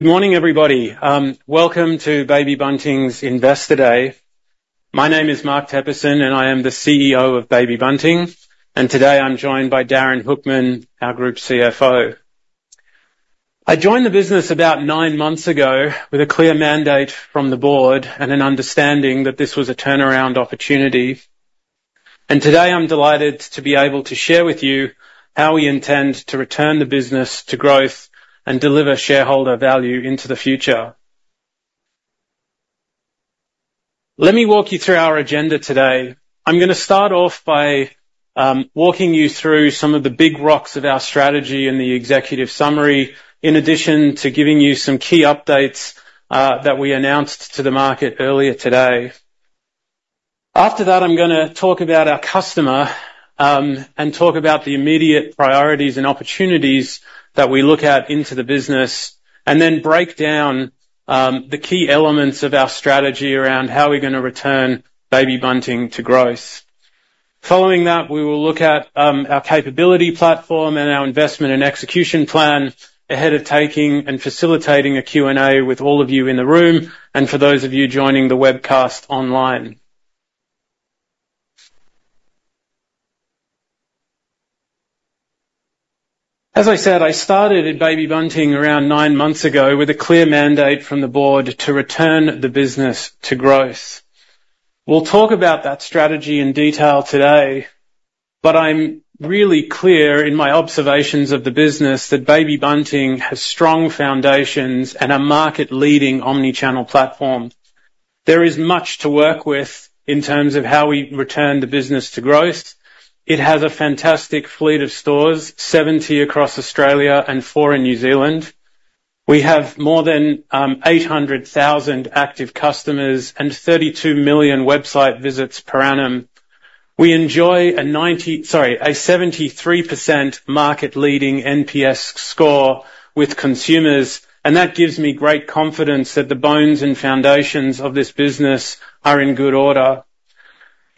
Good morning, everybody. Welcome to Baby Bunting's Investor Day. My name is Mark Teperson, and I am the CEO of Baby Bunting, and today I'm joined by Darin Hoekman, our Group CFO. I joined the business about nine months ago with a clear mandate from the board, and an understanding that this was a turnaround opportunity. Today, I'm delighted to be able to share with you how we intend to return the business to growth and deliver shareholder value into the future. Let me walk you through our agenda today. I'm gonna start off by walking you through some of the big rocks of our strategy and the executive summary, in addition to giving you some key updates that we announced to the market earlier today. After that, I'm gonna talk about our customer, and talk about the immediate priorities and opportunities that we look at into the business, and then break down the key elements of our strategy around how we're gonna return Baby Bunting to growth. Following that, we will look at our capability platform and our investment and execution plan ahead of taking and facilitating a Q&A with all of you in the room, and for those of you joining the webcast online. As I said, I started at Baby Bunting around nine months ago with a clear mandate from the board to return the business to growth. We'll talk about that strategy in detail today, but I'm really clear in my observations of the business that Baby Bunting has strong foundations and a market-leading omnichannel platform. There is much to work with in terms of how we return the business to growth. It has a fantastic fleet of stores, 70 across Australia and 4 in New Zealand. We have more than eight hundred thousand active customers and 32 million website visits per annum. We enjoy a 73% market-leading NPS score with consumers, and that gives me great confidence that the bones and foundations of this business are in good order.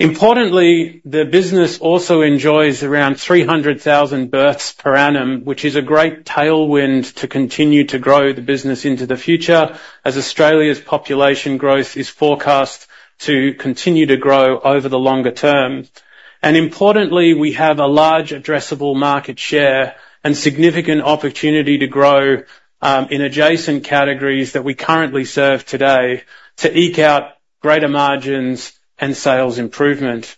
Importantly, the business also enjoys around 300,000 births per annum, which is a great tailwind to continue to grow the business into the future, as Australia's population growth is forecast to continue to grow over the longer term. Importantly, we have a large addressable market share and significant opportunity to grow in adjacent categories that we currently serve today to eke out greater margins and sales improvement.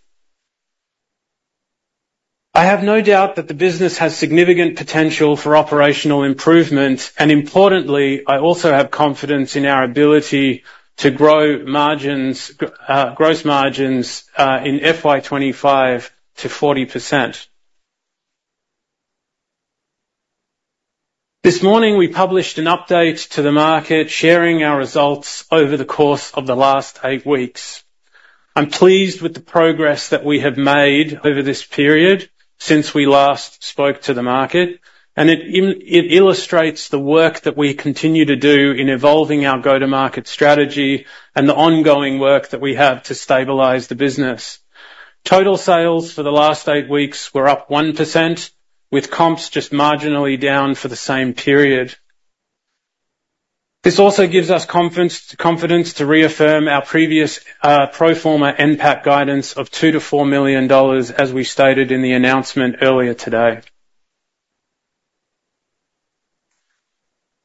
I have no doubt that the business has significant potential for operational improvement, and importantly, I also have confidence in our ability to grow margins, gross margins, in FY 2025 to 40%. This morning, we published an update to the market, sharing our results over the course of the last 8 weeks. I'm pleased with the progress that we have made over this period since we last spoke to the market, and it illustrates the work that we continue to do in evolving our go-to-market strategy and the ongoing work that we have to stabilize the business. Total sales for the last 8 weeks were up 1%, with comps just marginally down for the same period. This also gives us confidence, confidence to reaffirm our previous pro forma NPAT guidance of 2 million-4 million dollars, as we stated in the announcement earlier today.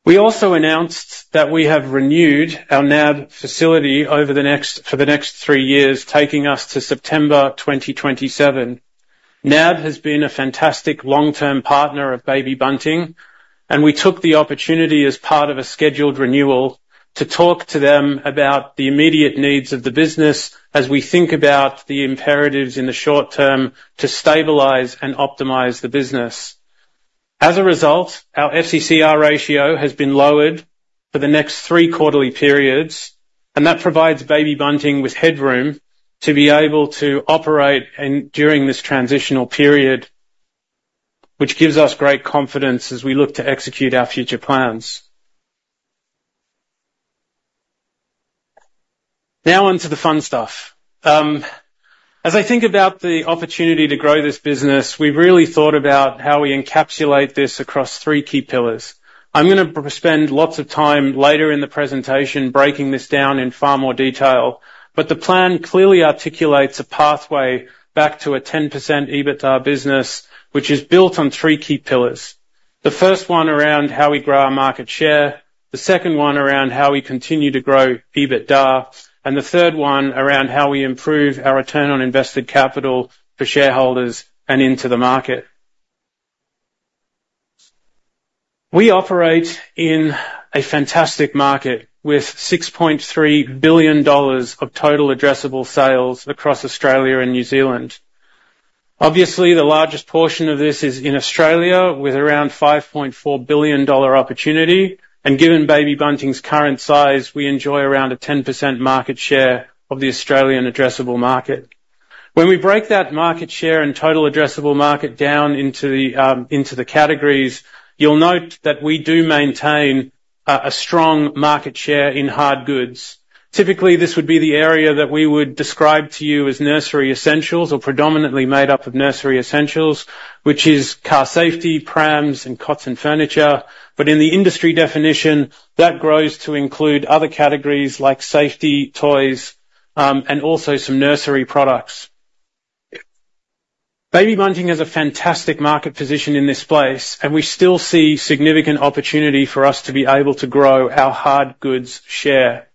We also announced that we have renewed our NAB facility for the next three years, taking us to September 2027. NAB has been a fantastic long-term partner of Baby Bunting, and we took the opportunity as part of a scheduled renewal to talk to them about the immediate needs of the business as we think about the imperatives in the short term to stabilize and optimize the business. As a result, our FCCR ratio has been lowered for the next three quarterly periods, and that provides Baby Bunting with headroom to be able to operate and during this transitional period, which gives us great confidence as we look to execute our future plans. Now on to the fun stuff. As I think about the opportunity to grow this business, we've really thought about how we encapsulate this across three key pillars. I'm gonna spend lots of time later in the presentation breaking this down in far more detail, but the plan clearly articulates a pathway back to a 10% EBITDA business, which is built on three key pillars. The first one around how we grow our market share, the second one around how we continue to grow EBITDA, and the third one around how we improve our return on invested capital for shareholders and into the market. We operate in a fantastic market with 6.3 billion dollars of total addressable sales across Australia and New Zealand. Obviously, the largest portion of this is in Australia, with around 5.4 billion dollar opportunity, and given Baby Bunting's current size, we enjoy around a 10% market share of the Australian addressable market. When we break that market share and total addressable market down into the categories, you'll note that we do maintain a strong market share in hard goods. Typically, this would be the area that we would describe to you as nursery essentials or predominantly made up of nursery essentials, which is car seat, prams, and cots and furniture. But in the industry definition, that grows to include other categories like safety, toys, and also some nursery products. Baby Bunting has a fantastic market position in this place, and we still see significant opportunity for us to be able to grow our hard goods share.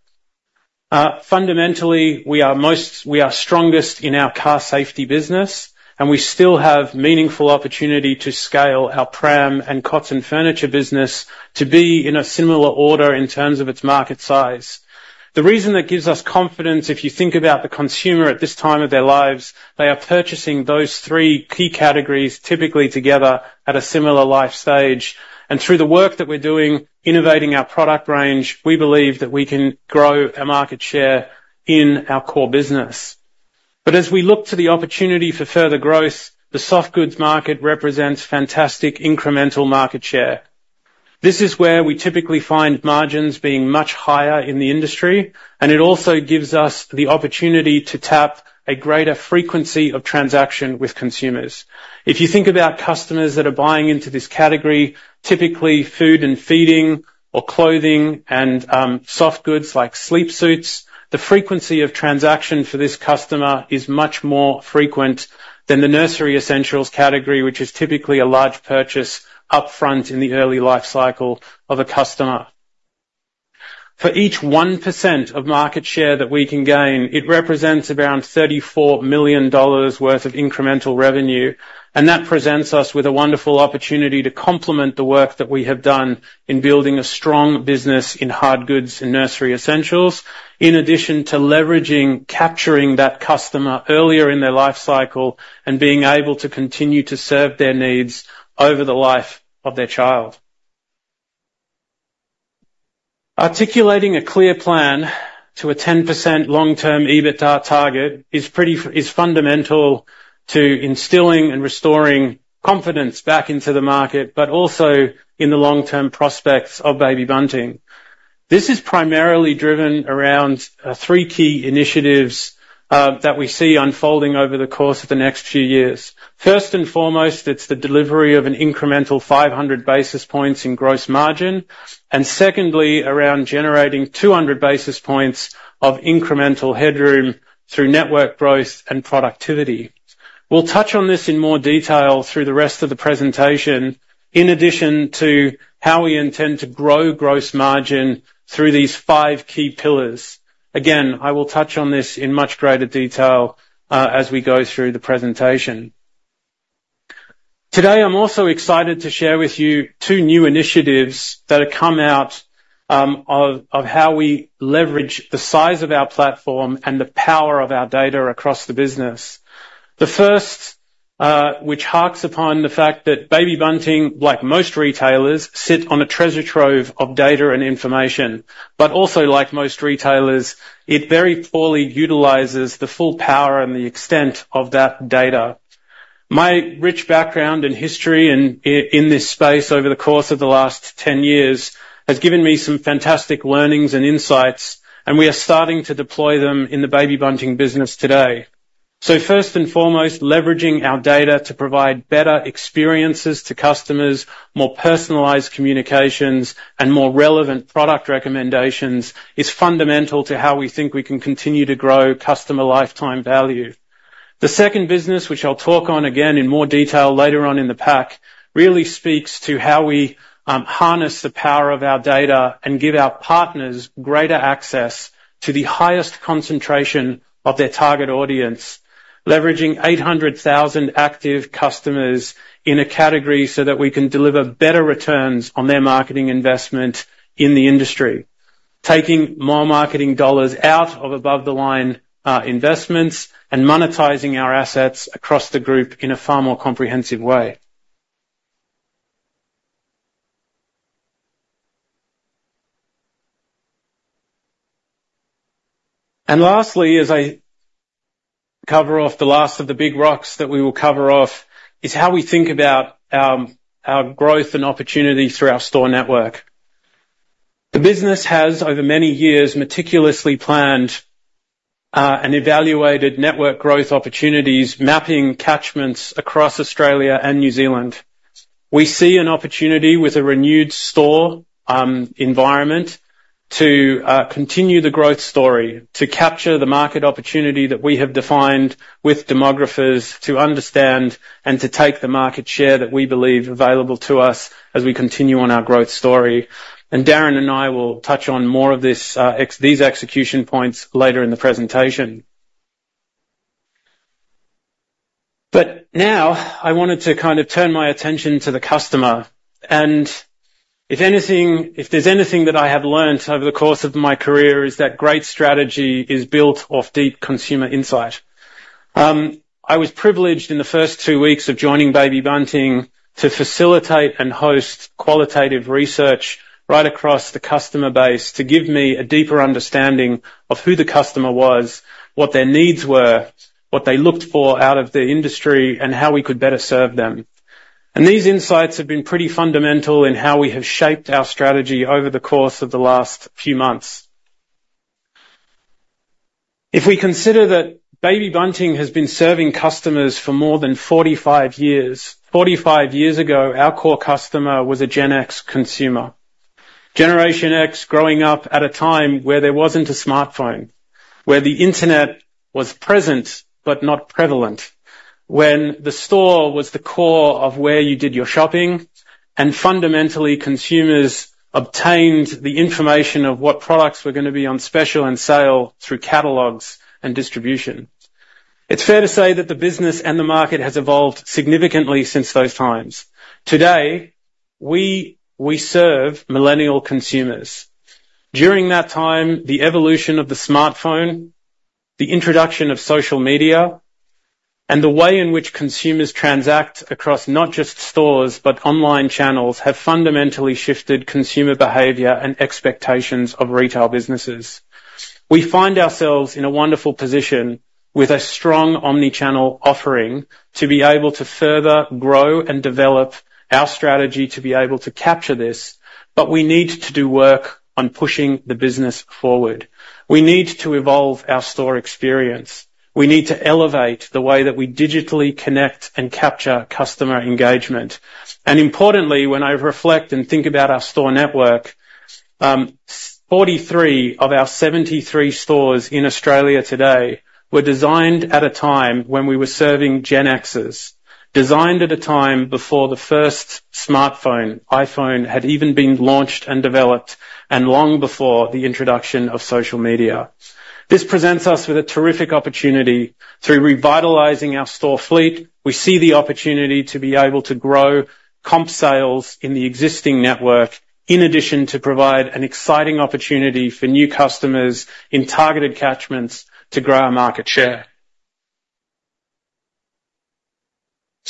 Fundamentally, we are strongest in our car safety business, and we still have meaningful opportunity to scale our pram and cots and furniture business to be in a similar order in terms of its market size. The reason that gives us confidence, if you think about the consumer at this time of their lives, they are purchasing those three key categories, typically together at a similar life stage, and through the work that we're doing, innovating our product range, we believe that we can grow our market share in our core business. But as we look to the opportunity for further growth, the soft goods market represents fantastic incremental market share. This is where we typically find margins being much higher in the industry, and it also gives us the opportunity to tap a greater frequency of transaction with consumers. If you think about customers that are buying into this category, typically food and feeding or clothing and, soft goods like sleepsuits, the frequency of transaction for this customer is much more frequent than the nursery essentials category, which is typically a large purchase up front in the early life cycle of a customer. For each 1% of market share that we can gain, it represents around 34 million dollars worth of incremental revenue, and that presents us with a wonderful opportunity to complement the work that we have done in building a strong business in hard goods and nursery essentials, in addition to leveraging, capturing that customer earlier in their life cycle and being able to continue to serve their needs over the life of their child. Articulating a clear plan to a 10% long-term EBITDA target is fundamental to instilling and restoring confidence back into the market, but also in the long-term prospects of Baby Bunting. This is primarily driven around three key initiatives that we see unfolding over the course of the next few years. First and foremost, it's the delivery of an incremental 500 basis points in gross margin, and secondly, around generating 200 basis points of incremental headroom through network growth and productivity. We'll touch on this in more detail through the rest of the presentation, in addition to how we intend to grow gross margin through these five key pillars. Again, I will touch on this in much greater detail as we go through the presentation. Today, I'm also excited to share with you 2 new initiatives that have come out of how we leverage the size of our platform and the power of our data across the business. The first, which harks upon the fact that Baby Bunting, like most retailers, sit on a treasure trove of data and information, but also, like most retailers, it very poorly utilizes the full power and the extent of that data. My rich background and history in this space over the course of the last 10 years has given me some fantastic learnings and insights, and we are starting to deploy them in the Baby Bunting business today. So first and foremost, leveraging our data to provide better experiences to customers, more personalized communications, and more relevant product recommendations is fundamental to how we think we can continue to grow customer lifetime value. The second business, which I'll talk on again in more detail later on in the pack, really speaks to how we harness the power of our data and give our partners greater access to the highest concentration of their target audience, leveraging 800,000 active customers in a category so that we can deliver better returns on their marketing investment in the industry, taking more marketing dollars out of above-the-line investments, and monetizing our assets across the group in a far more comprehensive way. And lastly, as I cover off, the last of the big rocks that we will cover off is how we think about our growth and opportunity through our store network. The business has, over many years, meticulously planned and evaluated network growth opportunities, mapping catchments across Australia and New Zealand. We see an opportunity with a renewed store environment to continue the growth story, to capture the market opportunity that we have defined with demographers to understand and to take the market share that we believe available to us as we continue on our growth story. And Darin and I will touch on more of this these execution points later in the presentation. But now, I wanted to kind of turn my attention to the customer, and if anything—if there's anything that I have learned over the course of my career, is that great strategy is built off deep consumer insight. I was privileged in the first two weeks of joining Baby Bunting to facilitate and host qualitative research right across the customer base to give me a deeper understanding of who the customer was, what their needs were, what they looked for out of the industry, and how we could better serve them. And these insights have been pretty fundamental in how we have shaped our strategy over the course of the last few months. If we consider that Baby Bunting has been serving customers for more than 45 years, 45 years ago, our core customer was a Gen X consumer.... Generation X growing up at a time where there wasn't a smartphone, where the internet was present, but not prevalent, when the store was the core of where you did your shopping, and fundamentally, consumers obtained the information of what products were gonna be on special and sale through catalogs and distribution. It's fair to say that the business and the market has evolved significantly since those times. Today, we, we serve millennial consumers. During that time, the evolution of the smartphone, the introduction of social media, and the way in which consumers transact across not just stores, but online channels, have fundamentally shifted consumer behavior and expectations of retail businesses. We find ourselves in a wonderful position with a strong omni-channel offering to be able to further grow and develop our strategy, to be able to capture this, but we need to do work on pushing the business forward. We need to evolve our store experience. We need to elevate the way that we digitally connect and capture customer engagement. Importantly, when I reflect and think about our store network, 43 of our 73 stores in Australia today were designed at a time when we were serving Gen Xers, designed at a time before the first smartphone, iPhone, had even been launched and developed, and long before the introduction of social media. This presents us with a terrific opportunity. Through revitalizing our store fleet, we see the opportunity to be able to grow comp sales in the existing network, in addition to provide an exciting opportunity for new customers in targeted catchments to grow our market share.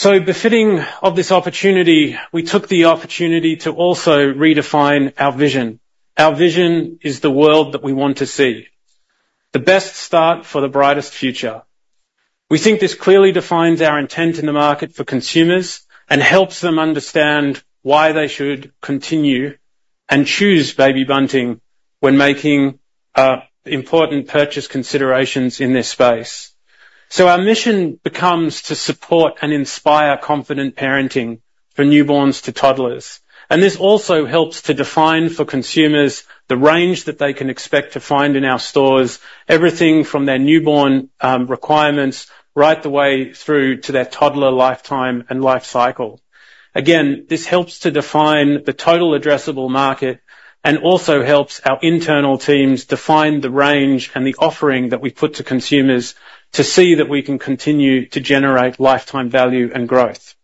Befitting of this opportunity, we took the opportunity to also redefine our vision. Our vision is the world that we want to see, the best start for the brightest future. We think this clearly defines our intent in the market for consumers and helps them understand why they should continue and choose Baby Bunting when making, important purchase considerations in this space. So our mission becomes to support and inspire confident parenting for newborns to toddlers, and this also helps to define for consumers the range that they can expect to find in our stores, everything from their newborn, requirements, right the way through to their toddler lifetime and life cycle. Again, this helps to define the total addressable market and also helps our internal teams define the range and the offering that we put to consumers to see that we can continue to generate lifetime value and growth.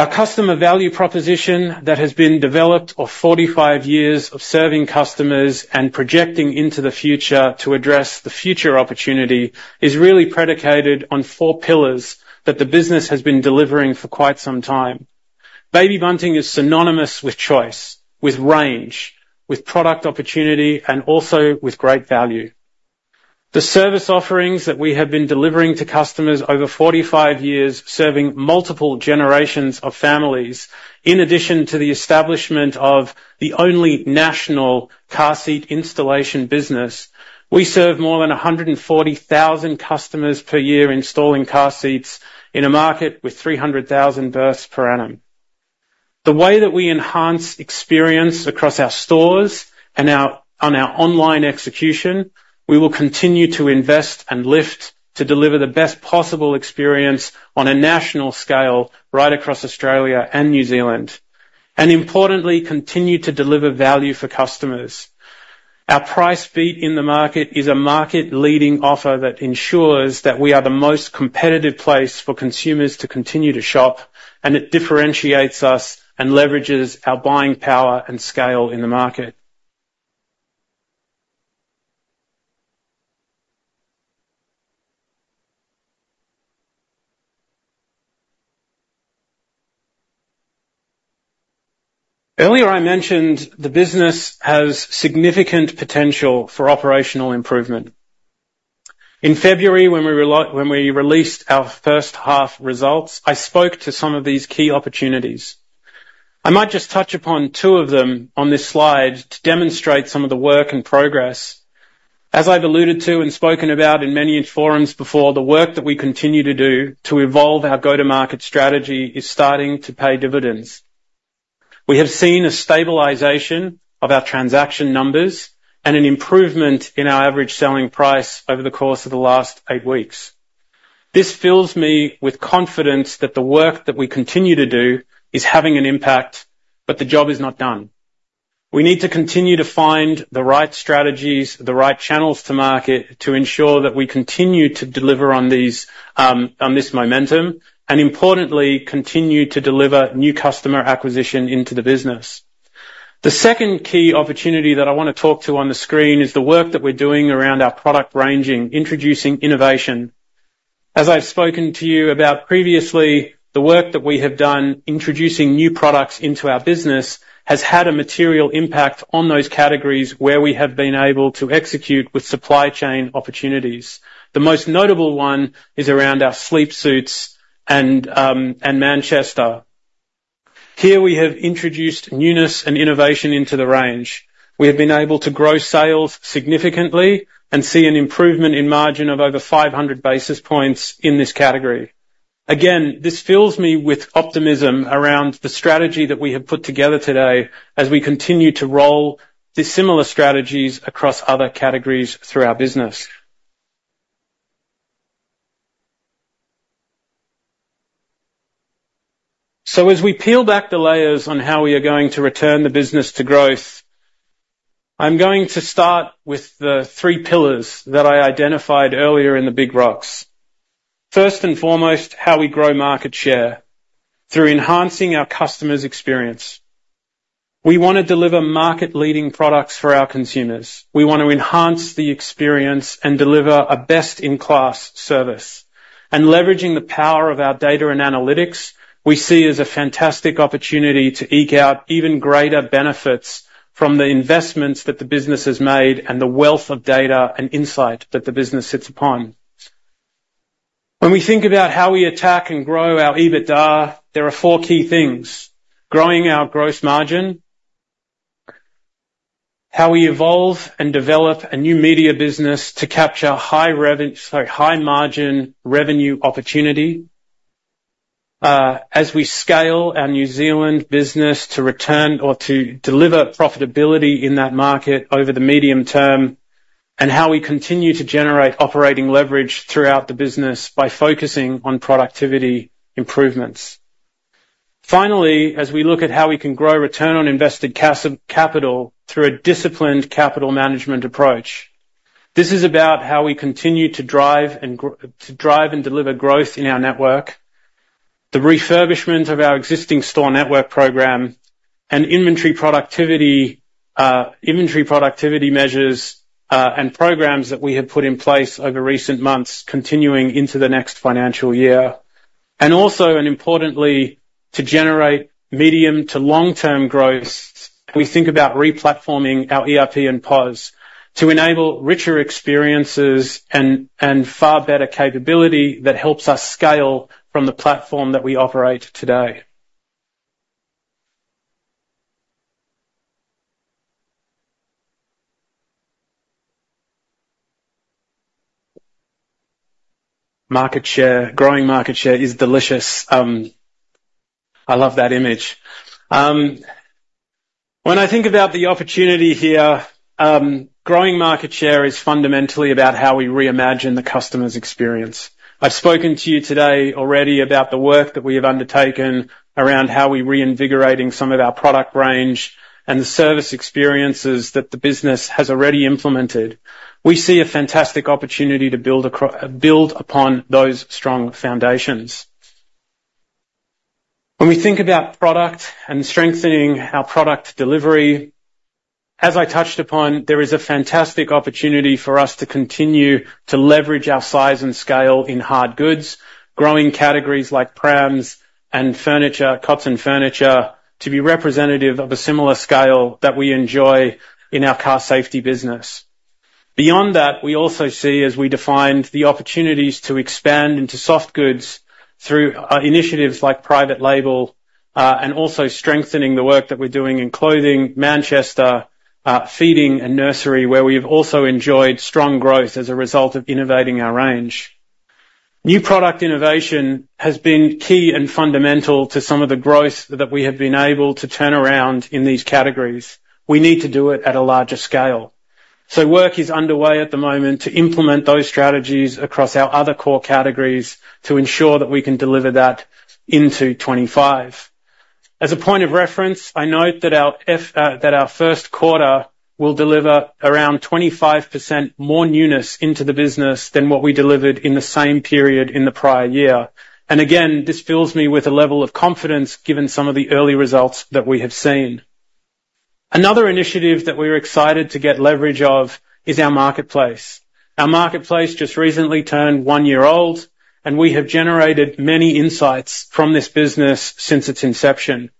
Our customer value proposition that has been developed of 45 years of serving customers and projecting into the future to address the future opportunity, is really predicated on four pillars that the business has been delivering for quite some time. Baby Bunting is synonymous with choice, with range, with product opportunity, and also with great value. The service offerings that we have been delivering to customers over 45 years, serving multiple generations of families, in addition to the establishment of the only national car seat installation business, we serve more than 140,000 customers per year, installing car seats in a market with 300,000 births per annum. The way that we enhance experience across our stores and our online execution, we will continue to invest and lift to deliver the best possible experience on a national scale right across Australia and New Zealand, and importantly, continue to deliver value for customers. Our Price Beat in the market is a market-leading offer that ensures that we are the most competitive place for consumers to continue to shop, and it differentiates us and leverages our buying power and scale in the market. Earlier, I mentioned the business has significant potential for operational improvement. In February, when we released our first half results, I spoke to some of these key opportunities. I might just touch upon two of them on this slide to demonstrate some of the work in progress. As I've alluded to and spoken about in many forums before, the work that we continue to do to evolve our go-to-market strategy is starting to pay dividends. We have seen a stabilization of our transaction numbers and an improvement in our average selling price over the course of the last 8 weeks. This fills me with confidence that the work that we continue to do is having an impact, but the job is not done. We need to continue to find the right strategies, the right channels to market, to ensure that we continue to deliver on these, on this momentum, and importantly, continue to deliver new customer acquisition into the business. The second key opportunity that I want to talk to on the screen is the work that we're doing around our product ranging, introducing innovation. As I've spoken to you about previously, the work that we have done introducing new products into our business has had a material impact on those categories where we have been able to execute with supply chain opportunities. The most notable one is around our sleepsuits and, and manchester. Here, we have introduced newness and innovation into the range. We have been able to grow sales significantly and see an improvement in margin of over 500 basis points in this category.... Again, this fills me with optimism around the strategy that we have put together today as we continue to roll these similar strategies across other categories through our business. So as we peel back the layers on how we are going to return the business to growth, I'm going to start with the three pillars that I identified earlier in the big rocks. First and foremost, how we grow market share. Through enhancing our customer's experience, we want to deliver market-leading products for our consumers. We want to enhance the experience and deliver a best-in-class service. Leveraging the power of our data and analytics, we see as a fantastic opportunity to eke out even greater benefits from the investments that the business has made and the wealth of data and insight that the business sits upon. When we think about how we attack and grow our EBITDA, there are four key things: growing our gross margin, how we evolve and develop a new media business to capture high reven- sorry, high-margin revenue opportunity, as we scale our New Zealand business to return or to deliver profitability in that market over the medium term, and how we continue to generate operating leverage throughout the business by focusing on productivity improvements. Finally, as we look at how we can grow return on invested capital through a disciplined capital management approach, this is about how we continue to drive and deliver growth in our network, the refurbishment of our existing store network program, and inventory productivity, inventory productivity measures, and programs that we have put in place over recent months, continuing into the next financial year, and also, and importantly, to generate medium to long-term growth, we think about replatforming our ERP and POS to enable richer experiences and, and far better capability that helps us scale from the platform that we operate today. Market share. Growing market share is delicious. I love that image. When I think about the opportunity here, growing market share is fundamentally about how we reimagine the customer's experience. I've spoken to you today already about the work that we have undertaken around how we're reinvigorating some of our product range and the service experiences that the business has already implemented. We see a fantastic opportunity to build upon those strong foundations. When we think about product and strengthening our product delivery, as I touched upon, there is a fantastic opportunity for us to continue to leverage our size and scale in hard goods, growing categories like prams and furniture, cots and furniture, to be representative of a similar scale that we enjoy in our car safety business. Beyond that, we also see, as we defined, the opportunities to expand into soft goods through initiatives like private label, and also strengthening the work that we're doing in clothing, manchester, feeding and nursery, where we've also enjoyed strong growth as a result of innovating our range. New product innovation has been key and fundamental to some of the growth that we have been able to turn around in these categories. We need to do it at a larger scale. So work is underway at the moment to implement those strategies across our other core categories to ensure that we can deliver that into 2025. As a point of reference, I note that our first quarter will deliver around 25% more newness into the business than what we delivered in the same period in the prior year. Again, this fills me with a level of confidence, given some of the early results that we have seen. Another initiative that we're excited to get leverage of is our marketplace. Our marketplace just recently turned one year old, and we have generated many insights from this business since its inception.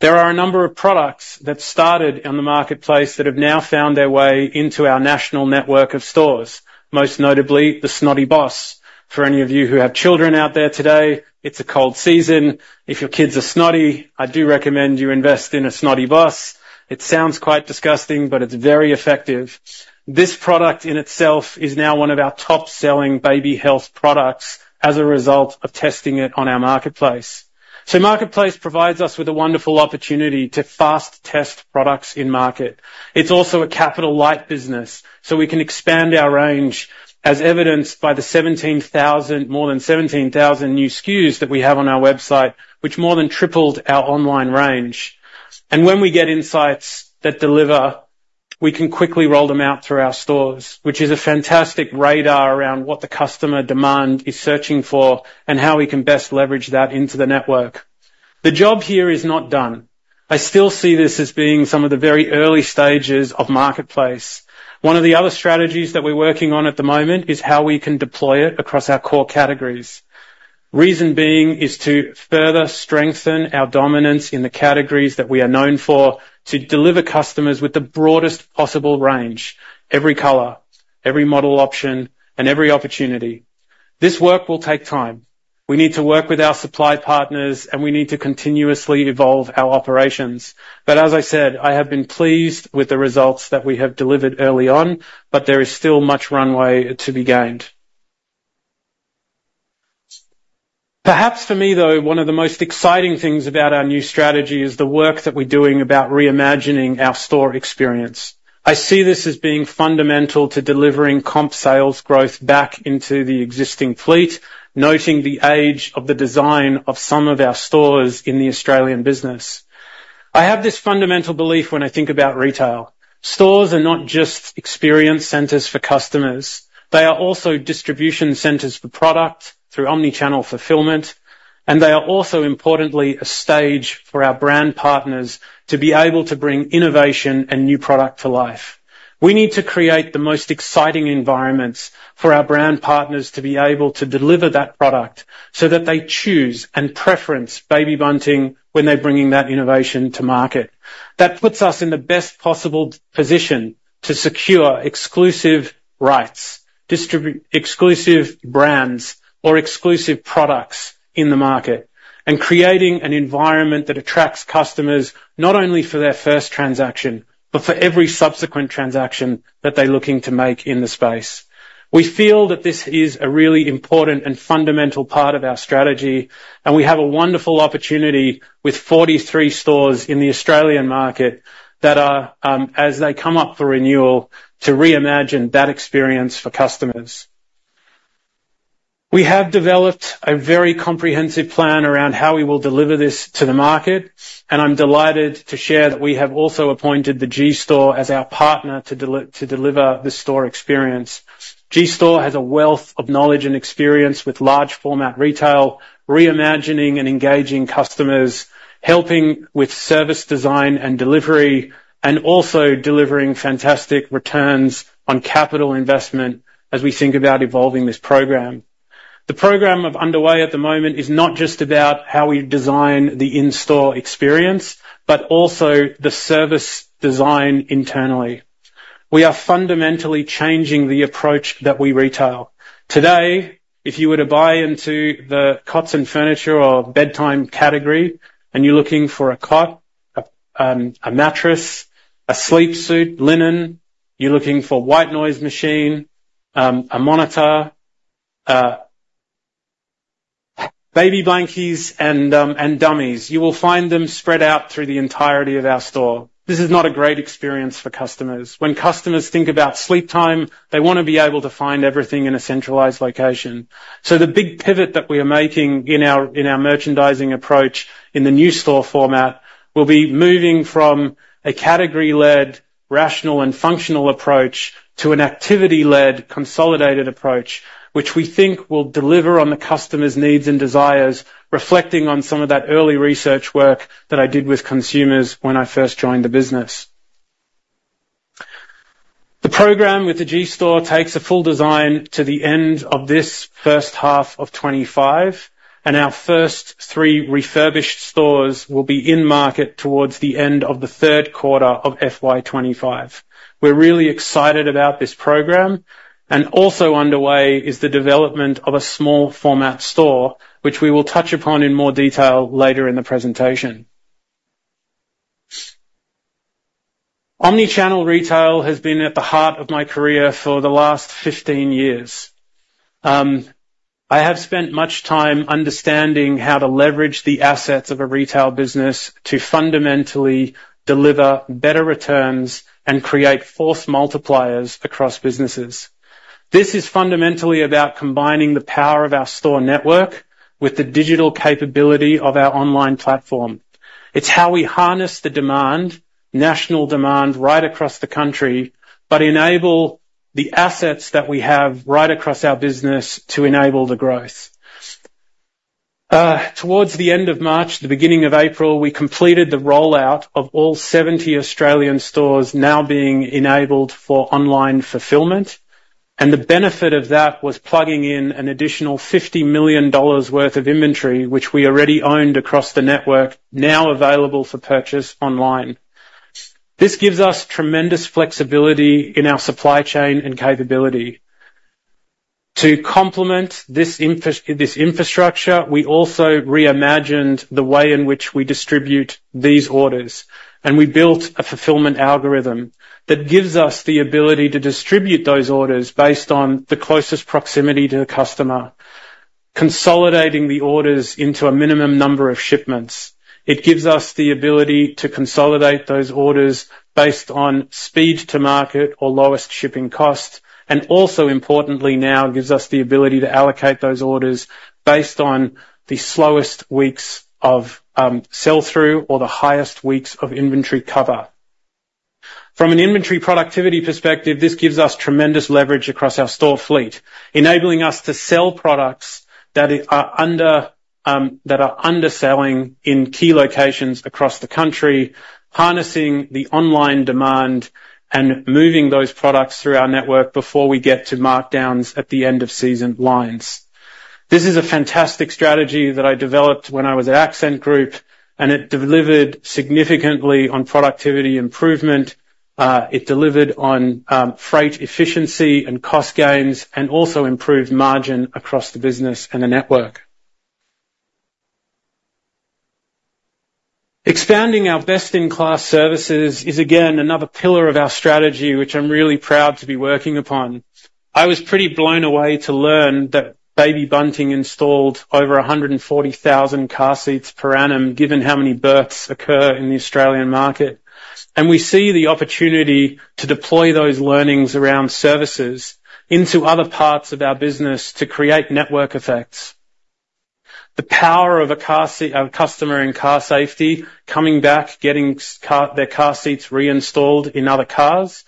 There are a number of products that started in the marketplace that have now found their way into our national network of stores, most notably the Snotty Boss. For any of you who have children out there today, it's a cold season. If your kids are snotty, I do recommend you invest in a Snotty Boss. It sounds quite disgusting, but it's very effective. This product in itself is now one of our top-selling baby health products as a result of testing it on our marketplace. So marketplace provides us with a wonderful opportunity to fast test products in market. It's also a capital-light business, so we can expand our range, as evidenced by the 17,000... more than 17,000 new SKUs that we have on our website, which more than tripled our online range. And when we get insights that deliver, we can quickly roll them out through our stores, which is a fantastic radar around what the customer demand is searching for and how we can best leverage that into the network. The job here is not done. I still see this as being some of the very early stages of marketplace. One of the other strategies that we're working on at the moment is how we can deploy it across our core categories. Reason being is to further strengthen our dominance in the categories that we are known for, to deliver customers with the broadest possible range, every color, every model option, and every opportunity. This work will take time. We need to work with our supply partners, and we need to continuously evolve our operations. But as I said, I have been pleased with the results that we have delivered early on, but there is still much runway to be gained…. Perhaps for me, though, one of the most exciting things about our new strategy is the work that we're doing about reimagining our store experience. I see this as being fundamental to delivering comp sales growth back into the existing fleet, noting the age of the design of some of our stores in the Australian business. I have this fundamental belief when I think about retail. Stores are not just experience centers for customers, they are also distribution centers for product through omni-channel fulfillment, and they are also, importantly, a stage for our brand partners to be able to bring innovation and new product to life. We need to create the most exciting environments for our brand partners to be able to deliver that product, so that they choose and preference Baby Bunting when they're bringing that innovation to market. That puts us in the best possible position to secure exclusive rights, distribute exclusive brands or exclusive products in the market, and creating an environment that attracts customers not only for their first transaction, but for every subsequent transaction that they're looking to make in the space. We feel that this is a really important and fundamental part of our strategy, and we have a wonderful opportunity with 43 stores in the Australian market that are, as they come up for renewal, to reimagine that experience for customers. We have developed a very comprehensive plan around how we will deliver this to the market, and I'm delighted to share that we have also appointed the G-Store as our partner to deliver the store experience. G-Store has a wealth of knowledge and experience with large format retail, reimagining and engaging customers, helping with service design and delivery, and also delivering fantastic returns on capital investment as we think about evolving this program. The program that's underway at the moment is not just about how we design the in-store experience, but also the service design internally. We are fundamentally changing the approach that we retail. Today, if you were to buy into the cots and furniture or bedtime category, and you're looking for a cot, a mattress, a sleepsuit, linen, you're looking for white noise machine, a monitor, baby blankets, and dummies, you will find them spread out through the entirety of our store. This is not a great experience for customers. When customers think about sleep time, they want to be able to find everything in a centralized location. So the big pivot that we are making in our, in our merchandising approach in the new store format will be moving from a category-led, rational, and functional approach to an activity-led, consolidated approach, which we think will deliver on the customer's needs and desires, reflecting on some of that early research work that I did with consumers when I first joined the business. The program with the G Store takes a full design to the end of this first half of 2025, and our first three refurbished stores will be in market towards the end of the third quarter of FY 2025. We're really excited about this program, and also underway is the development of a small format store, which we will touch upon in more detail later in the presentation. Omni-channel retail has been at the heart of my career for the last 15 years. I have spent much time understanding how to leverage the assets of a retail business to fundamentally deliver better returns and create force multipliers across businesses. This is fundamentally about combining the power of our store network with the digital capability of our online platform. It's how we harness the demand, national demand, right across the country, but enable the assets that we have right across our business to enable the growth. Towards the end of March, the beginning of April, we completed the rollout of all 70 Australian stores now being enabled for online fulfillment, and the benefit of that was plugging in an additional 50 million dollars worth of inventory, which we already owned across the network, now available for purchase online. This gives us tremendous flexibility in our supply chain and capability. To complement this infrastructure, we also reimagined the way in which we distribute these orders, and we built a fulfillment algorithm that gives us the ability to distribute those orders based on the closest proximity to the customer, consolidating the orders into a minimum number of shipments. It gives us the ability to consolidate those orders based on speed to market or lowest shipping cost, and also, importantly, now gives us the ability to allocate those orders based on the slowest weeks of sell-through or the highest weeks of inventory cover. From an inventory productivity perspective, this gives us tremendous leverage across our store fleet, enabling us to sell products that are under, that are underselling in key locations across the country, harnessing the online demand and moving those products through our network before we get to markdowns at the end of season lines. This is a fantastic strategy that I developed when I was at Accent Group, and it delivered significantly on productivity improvement. It delivered on freight efficiency and cost gains, and also improved margin across the business and the network. Expanding our best-in-class services is, again, another pillar of our strategy, which I'm really proud to be working upon. I was pretty blown away to learn that Baby Bunting installed over 140,000 car seats per annum, given how many births occur in the Australian market. We see the opportunity to deploy those learnings around services into other parts of our business to create network effects. The power of a car seat of customer in car safety, coming back, getting car, their car seats reinstalled in other cars,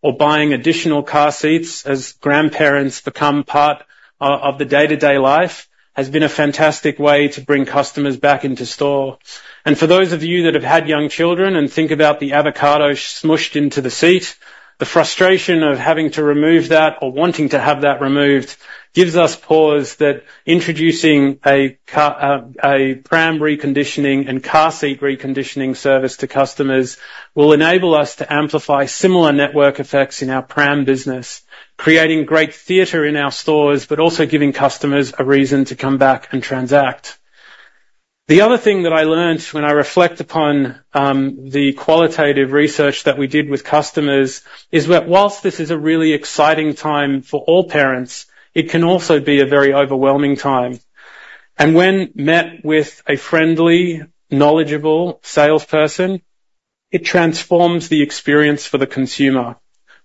or buying additional car seats as grandparents become part of the day-to-day life, has been a fantastic way to bring customers back into store. For those of you that have had young children and think about the avocado smooshed into the seat, the frustration of having to remove that or wanting to have that removed, gives us pause that introducing a pram reconditioning and car seat reconditioning service to customers, will enable us to amplify similar network effects in our pram business, creating great theater in our stores, but also giving customers a reason to come back and transact. The other thing that I learned when I reflect upon the qualitative research that we did with customers, is that while this is a really exciting time for all parents, it can also be a very overwhelming time. And when met with a friendly, knowledgeable salesperson, it transforms the experience for the consumer.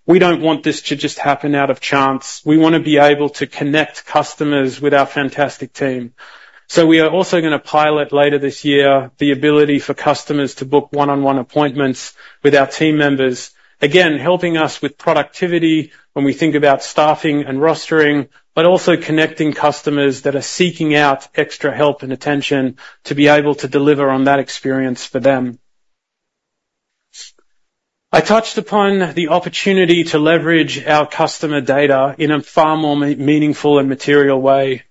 We don't want this to just happen out of chance. We want to be able to connect customers with our fantastic team. So we are also gonna pilot, later this year, the ability for customers to book one-on-one appointments with our team members. Again, helping us with productivity when we think about staffing and rostering, but also connecting customers that are seeking out extra help and attention to be able to deliver on that experience for them. I touched upon the opportunity to leverage our customer data in a far more meaningful and material way.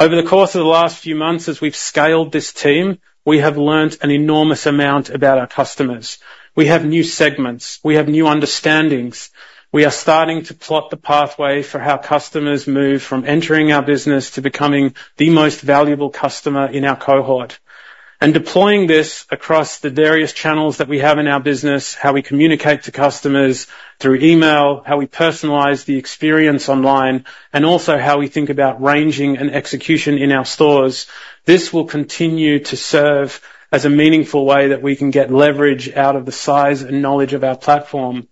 Over the course of the last few months, as we've scaled this team, we have learned an enormous amount about our customers. We have new segments. We have new understandings. We are starting to plot the pathway for how customers move from entering our business to becoming the most valuable customer in our cohort. And deploying this across the various channels that we have in our business, how we communicate to customers through email, how we personalize the experience online, and also how we think about ranging and execution in our stores, this will continue to serve as a meaningful way that we can get leverage out of the size and knowledge of our platform.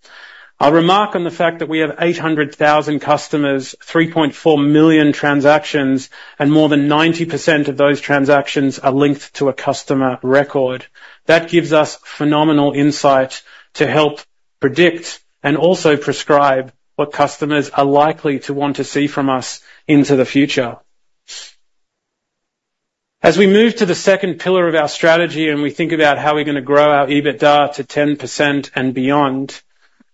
I'll remark on the fact that we have 800,000 customers, 3.4 million transactions, and more than 90% of those transactions are linked to a customer record. That gives us phenomenal insight to help predict and also prescribe what customers are likely to want to see from us into the future. As we move to the second pillar of our strategy, and we think about how we're gonna grow our EBITDA to 10% and beyond,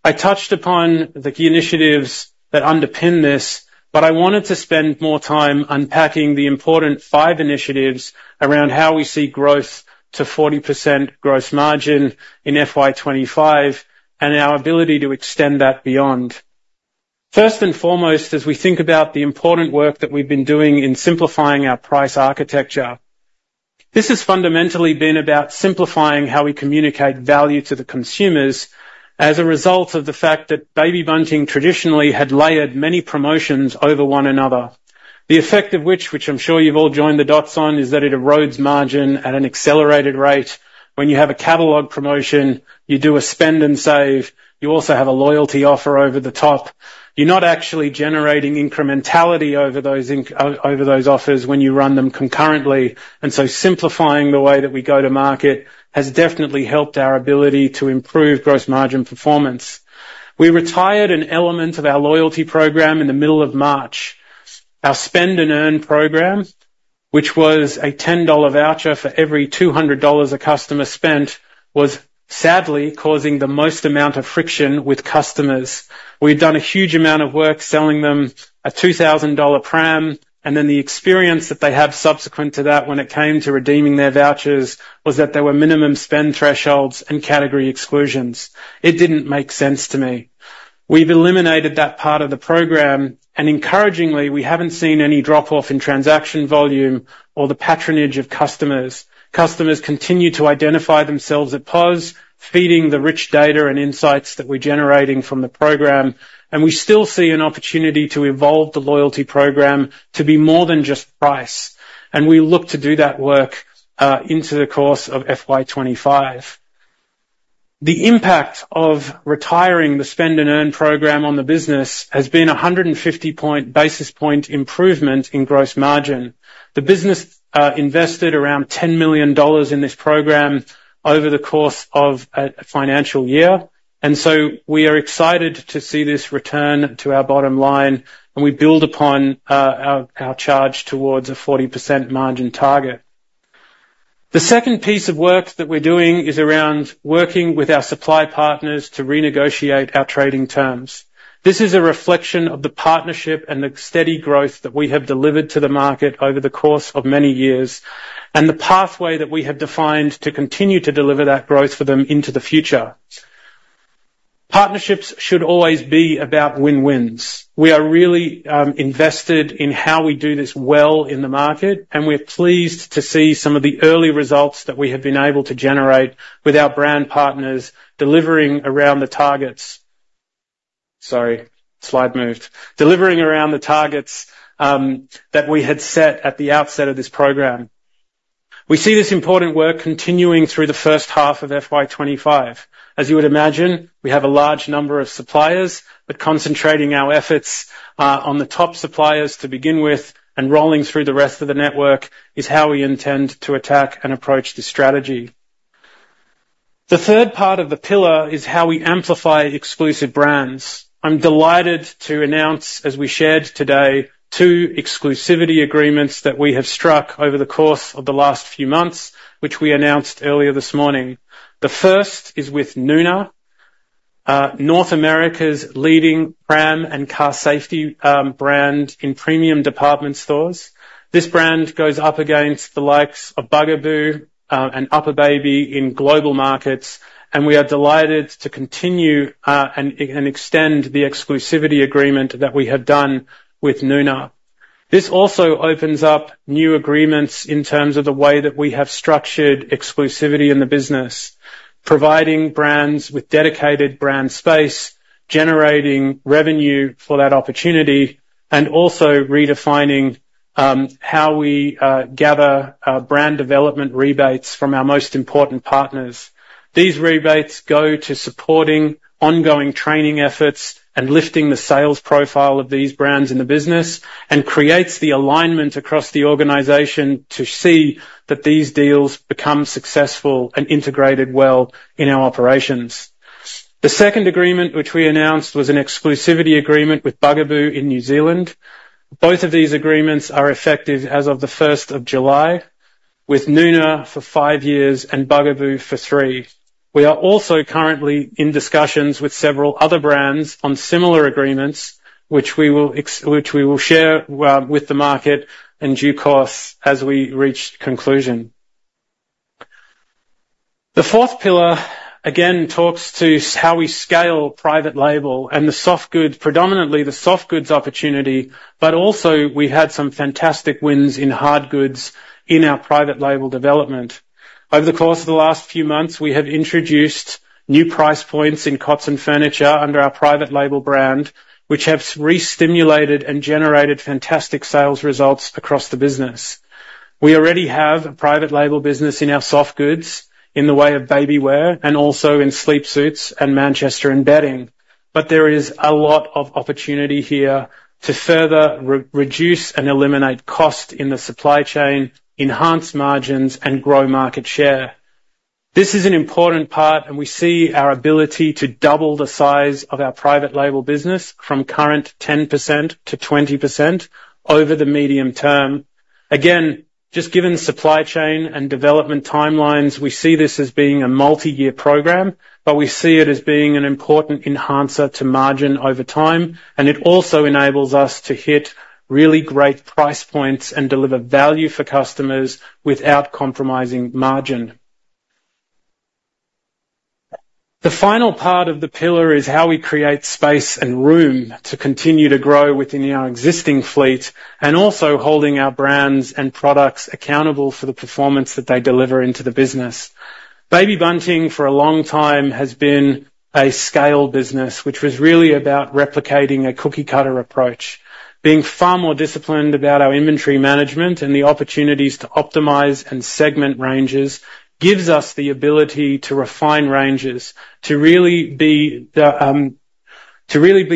I touched upon the key initiatives that underpin this, but I wanted to spend more time unpacking the important five initiatives around how we see growth to 40% gross margin in FY 2025, and our ability to extend that beyond. First and foremost, as we think about the important work that we've been doing in simplifying our price architecture, this has fundamentally been about simplifying how we communicate value to the consumers as a result of the fact that Baby Bunting traditionally had layered many promotions over one another. The effect of which, which I'm sure you've all joined the dots on, is that it erodes margin at an accelerated rate. When you have a catalog promotion, you do a spend and save, you also have a loyalty offer over the top. You're not actually generating incrementality over those offers when you run them concurrently, and so simplifying the way that we go to market has definitely helped our ability to improve gross margin performance. We retired an element of our loyalty program in the middle of March. Our Spend & Earn program, which was a 10 dollar voucher for every 200 dollars a customer spent, was sadly causing the most amount of friction with customers. We've done a huge amount of work selling them an 2000 dollar pram, and then the experience that they have subsequent to that, when it came to redeeming their vouchers, was that there were minimum spend thresholds and category exclusions. It didn't make sense to me. We've eliminated that part of the program, and encouragingly, we haven't seen any drop-off in transaction volume or the patronage of customers. Customers continue to identify themselves at POS, feeding the rich data and insights that we're generating from the program, and we still see an opportunity to evolve the loyalty program to be more than just price. And we look to do that work into the course of FY 2025. The impact of retiring the Spend & Earn program on the business has been a 150 basis point improvement in gross margin. The business invested around 10 million dollars in this program over the course of a financial year, and so we are excited to see this return to our bottom line, and we build upon our charge towards a 40% margin target. The second piece of work that we're doing is around working with our supply partners to renegotiate our trading terms. This is a reflection of the partnership and the steady growth that we have delivered to the market over the course of many years, and the pathway that we have defined to continue to deliver that growth for them into the future.... Partnerships should always be about win-wins. We are really invested in how we do this well in the market, and we're pleased to see some of the early results that we have been able to generate with our brand partners delivering around the targets. Sorry, slide moved. Delivering around the targets that we had set at the outset of this program. We see this important work continuing through the first half of FY 2025. As you would imagine, we have a large number of suppliers, but concentrating our efforts on the top suppliers to begin with and rolling through the rest of the network is how we intend to attack and approach this strategy. The third part of the pillar is how we amplify exclusive brands. I'm delighted to announce, as we shared today, two exclusivity agreements that we have struck over the course of the last few months, which we announced earlier this morning. The first is with Nuna, North America's leading pram and car safety, brand in premium department stores. This brand goes up against the likes of Bugaboo, and UPPAbaby in global markets, and we are delighted to continue, and extend the exclusivity agreement that we have done with Nuna. This also opens up new agreements in terms of the way that we have structured exclusivity in the business, providing brands with dedicated brand space, generating revenue for that opportunity, and also redefining, how we, gather, brand development rebates from our most important partners. These rebates go to supporting ongoing training efforts and lifting the sales profile of these brands in the business, and creates the alignment across the organization to see that these deals become successful and integrated well in our operations. The second agreement, which we announced, was an exclusivity agreement with Bugaboo in New Zealand. Both of these agreements are effective as of the first of July, with Nuna for five years and Bugaboo for three. We are also currently in discussions with several other brands on similar agreements, which we will share with the market in due course as we reach conclusion. The fourth pillar, again, talks to how we scale private label and the soft goods, predominantly the soft goods opportunity, but also we had some fantastic wins in hard goods in our private label development. Over the course of the last few months, we have introduced new price points in cots and furniture under our private label brand, which have restimulated and generated fantastic sales results across the business. We already have a private label business in our soft goods in the way of baby wear and also in sleep suits and Manchester and bedding, but there is a lot of opportunity here to further reduce and eliminate cost in the supply chain, enhance margins, and grow market share. This is an important part, and we see our ability to double the size of our private label business from current 10% to 20% over the medium term. Again, just given supply chain and development timelines, we see this as being a multi-year program, but we see it as being an important enhancer to margin over time, and it also enables us to hit really great price points and deliver value for customers without compromising margin. The final part of the pillar is how we create space and room to continue to grow within our existing fleet, and also holding our brands and products accountable for the performance that they deliver into the business. Baby Bunting, for a long time, has been a scale business, which was really about replicating a cookie-cutter approach. Being far more disciplined about our inventory management and the opportunities to optimize and segment ranges, gives us the ability to refine ranges, to really be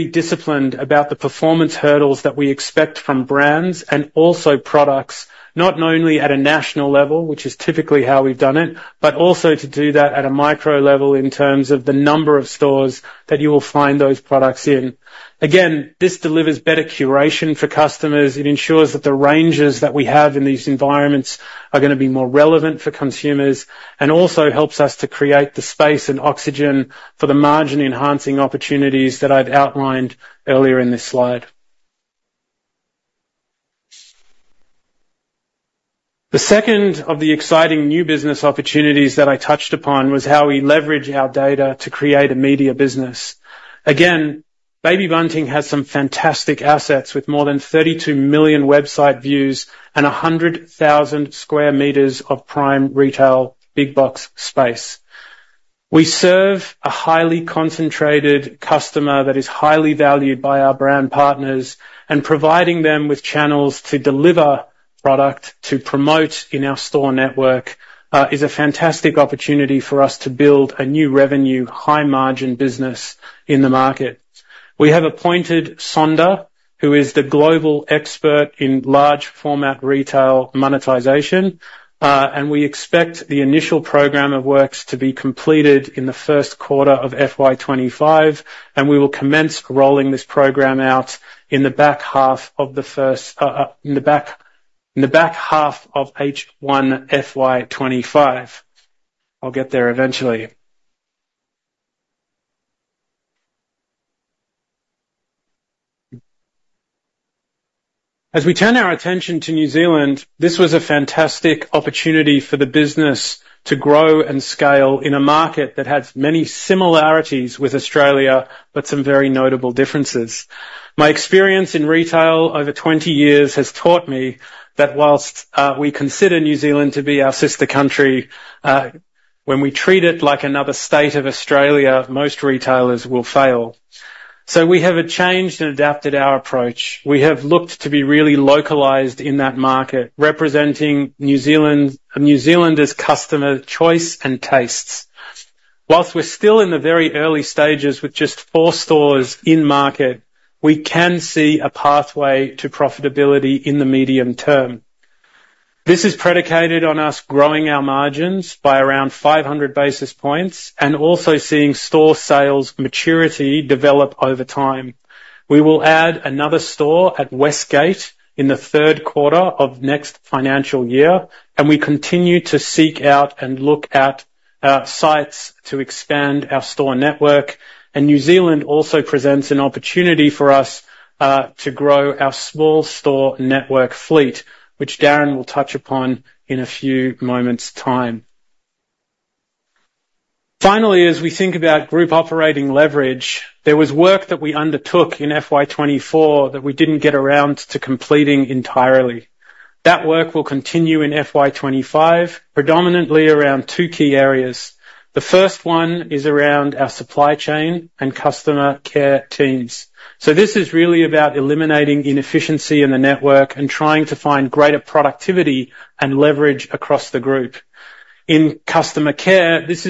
disciplined about the performance hurdles that we expect from brands and also products, not only at a national level, which is typically how we've done it, but also to do that at a micro level in terms of the number of stores that you will find those products in. Again, this delivers better curation for customers. It ensures that the ranges that we have in these environments are gonna be more relevant for consumers, and also helps us to create the space and oxygen for the margin-enhancing opportunities that I've outlined earlier in this slide. The second of the exciting new business opportunities that I touched upon was how we leverage our data to create a media business. Again, Baby Bunting has some fantastic assets with more than 32 million website views and 100,000 square meters of prime retail big box space. We serve a highly concentrated customer that is highly valued by our brand partners, and providing them with channels to deliver product to promote in our store network is a fantastic opportunity for us to build a new revenue, high-margin business in the market. We have appointed Sonder, who is the global expert in large format retail monetization, and we expect the initial program of works to be completed in the first quarter of FY 2025, and we will commence rolling this program out in the back half of H1 FY 2025. I'll get there eventually.... As we turn our attention to New Zealand, this was a fantastic opportunity for the business to grow and scale in a market that has many similarities with Australia, but some very notable differences. My experience in retail over 20 years has taught me that whilst we consider New Zealand to be our sister country, when we treat it like another state of Australia, most retailers will fail. So we have changed and adapted our approach. We have looked to be really localized in that market, representing New Zealand-New Zealander's customer choice and tastes. Whilst we're still in the very early stages with just 4 stores in market, we can see a pathway to profitability in the medium term. This is predicated on us growing our margins by around 500 basis points, and also seeing store sales maturity develop over time. We will add another store at Westgate in the third quarter of next financial year, and we continue to seek out and look at sites to expand our store network. And New Zealand also presents an opportunity for us to grow our small store network fleet, which Darin will touch upon in a few moments time. Finally, as we think about group operating leverage, there was work that we undertook in FY 2024 that we didn't get around to completing entirely. That work will continue in FY 2025, predominantly around two key areas. The first one is around our supply chain and customer care teams. So this is really about eliminating inefficiency in the network and trying to find greater productivity and leverage across the group. In customer care, this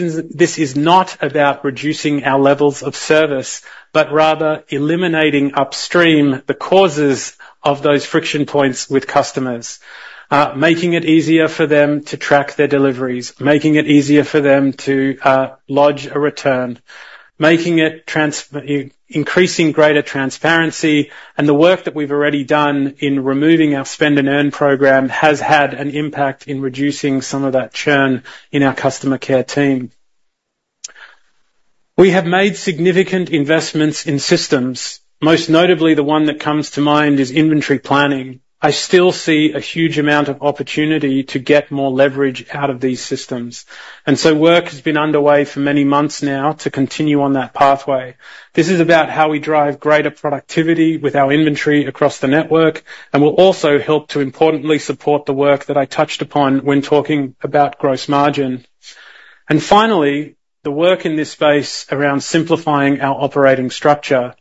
is not about reducing our levels of service, but rather eliminating upstream the causes of those friction points with customers. Making it easier for them to track their deliveries, making it easier for them to lodge a return, increasing greater transparency, and the work that we've already done in removing our Spend & Earn program has had an impact in reducing some of that churn in our customer care team. We have made significant investments in systems. Most notably, the one that comes to mind is inventory planning. I still see a huge amount of opportunity to get more leverage out of these systems, and so work has been underway for many months now to continue on that pathway. This is about how we drive greater productivity with our inventory across the network, and will also help to importantly support the work that I touched upon when talking about gross margin. And finally, the work in this space around simplifying our operating structure.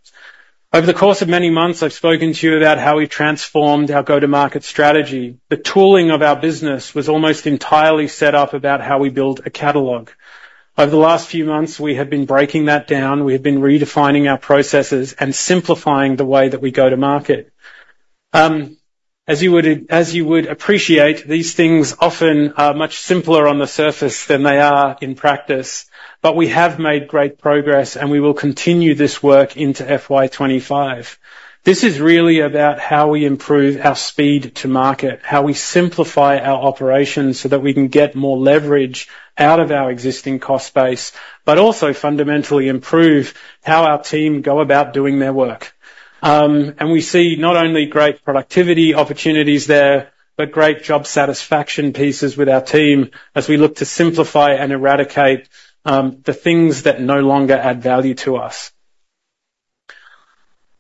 Over the course of many months, I've spoken to you about how we transformed our go-to-market strategy. The tooling of our business was almost entirely set up about how we build a catalog. Over the last few months, we have been breaking that down. We have been redefining our processes and simplifying the way that we go to market. As you would appreciate, these things often are much simpler on the surface than they are in practice, but we have made great progress, and we will continue this work into FY 2025. This is really about how we improve our speed to market, how we simplify our operations, so that we can get more leverage out of our existing cost base, but also fundamentally improve how our team go about doing their work. And we see not only great productivity opportunities there, but great job satisfaction pieces with our team as we look to simplify and eradicate the things that no longer add value to us.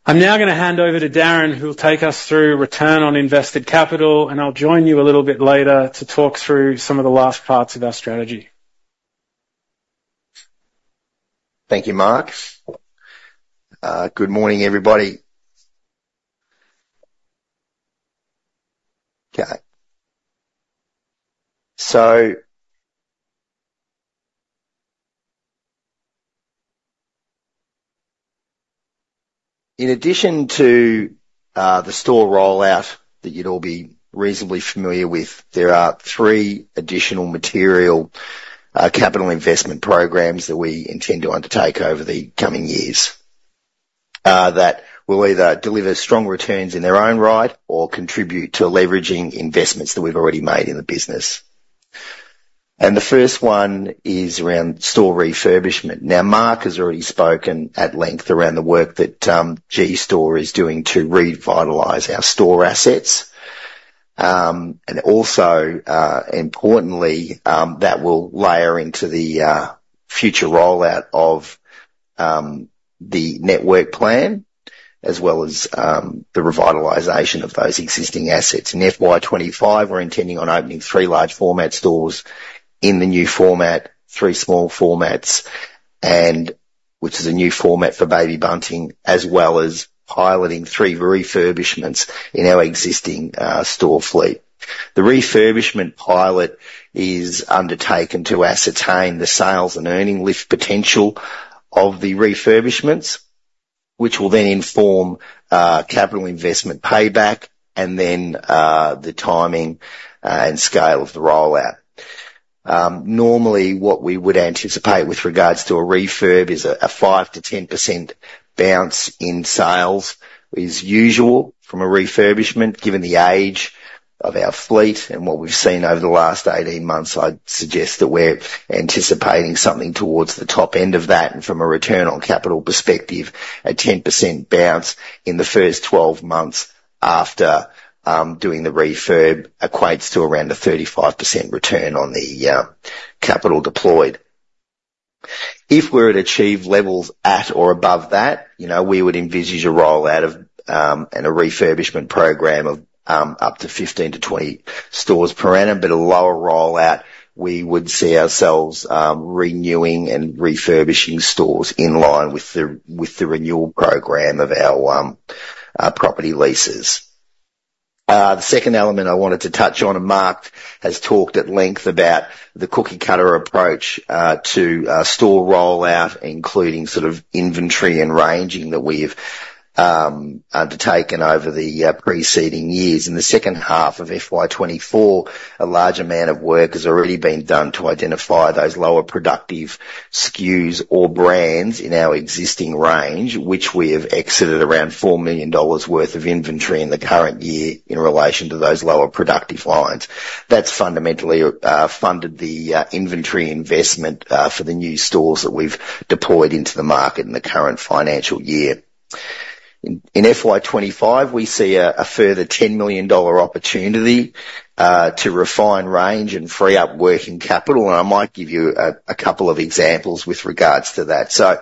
I'm now gonna hand over to Darin, who will take us through return on invested capital, and I'll join you a little bit later to talk through some of the last parts of our strategy. Thank you, Mark. Good morning, everybody. Okay. So in addition to the store rollout that you'd all be reasonably familiar with, there are three additional material capital investment programs that we intend to undertake over the coming years that will either deliver strong returns in their own right or contribute to leveraging investments that we've already made in the business. The first one is around store refurbishment. Now, Mark has already spoken at length around the work that G-Store is doing to revitalize our store assets. And also, importantly, that will layer into the future rollout of the network plan, as well as the revitalization of those existing assets. In FY 2025, we're intending on opening 3 large format stores in the new format, 3 small formats, and which is a new format for Baby Bunting, as well as piloting 3 refurbishments in our existing store fleet. The refurbishment pilot is undertaken to ascertain the sales and earning lift potential of the refurbishments, which will then inform capital investment payback, and then the timing and scale of the rollout. Normally, what we would anticipate with regards to a refurb is a 5%-10% bounce in sales is usual from a refurbishment, given the age-... of our fleet and what we've seen over the last 18 months, I'd suggest that we're anticipating something towards the top end of that, and from a return on capital perspective, a 10% bounce in the first 12 months after doing the refurb equates to around a 35% return on the capital deployed. If we're to achieve levels at or above that, you know, we would envisage a rollout of and a refurbishment program of up to 15-20 stores per annum, but a lower rollout, we would see ourselves renewing and refurbishing stores in line with the renewal program of our property leases. The second element I wanted to touch on, and Mark has talked at length about the cookie-cutter approach to store rollout, including sort of inventory and ranging that we've undertaken over the preceding years. In the second half of FY 2024, a large amount of work has already been done to identify those lower productive SKUs or brands in our existing range, which we have exited around 4 million dollars worth of inventory in the current year in relation to those lower productive lines. That's fundamentally funded the inventory investment for the new stores that we've deployed into the market in the current financial year. In FY 2025, we see a further 10 million dollar opportunity to refine range and free up working capital, and I might give you a couple of examples with regards to that. So,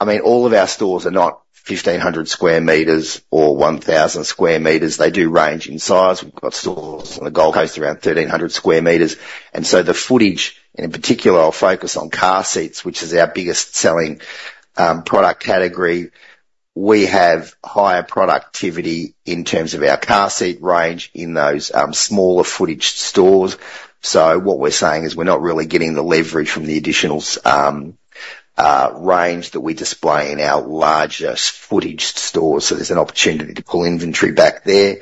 I mean, all of our stores are not 1,500 sq m or 1,000 sq m. They do range in size. We've got stores on the Gold Coast, around 1,300 square meters, and so the footage, in particular, I'll focus on car seats, which is our biggest selling product category. We have higher productivity in terms of our car seat range in those smaller footage stores. So what we're saying is, we're not really getting the leverage from the additional range that we display in our largest footaged stores, so there's an opportunity to pull inventory back there.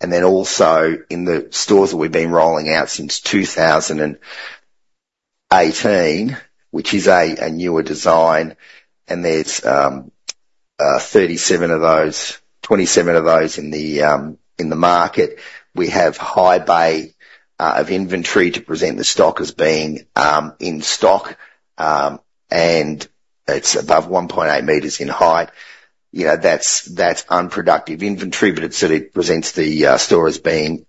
And then also, in the stores that we've been rolling out since 2018, which is a newer design, and there's thirty-seven of those, twenty-seven of those in the market. We have high bay of inventory to present the stock as being in stock, and it's above 1.8 meters in height. You know, that's unproductive inventory, but it sort of presents the store as being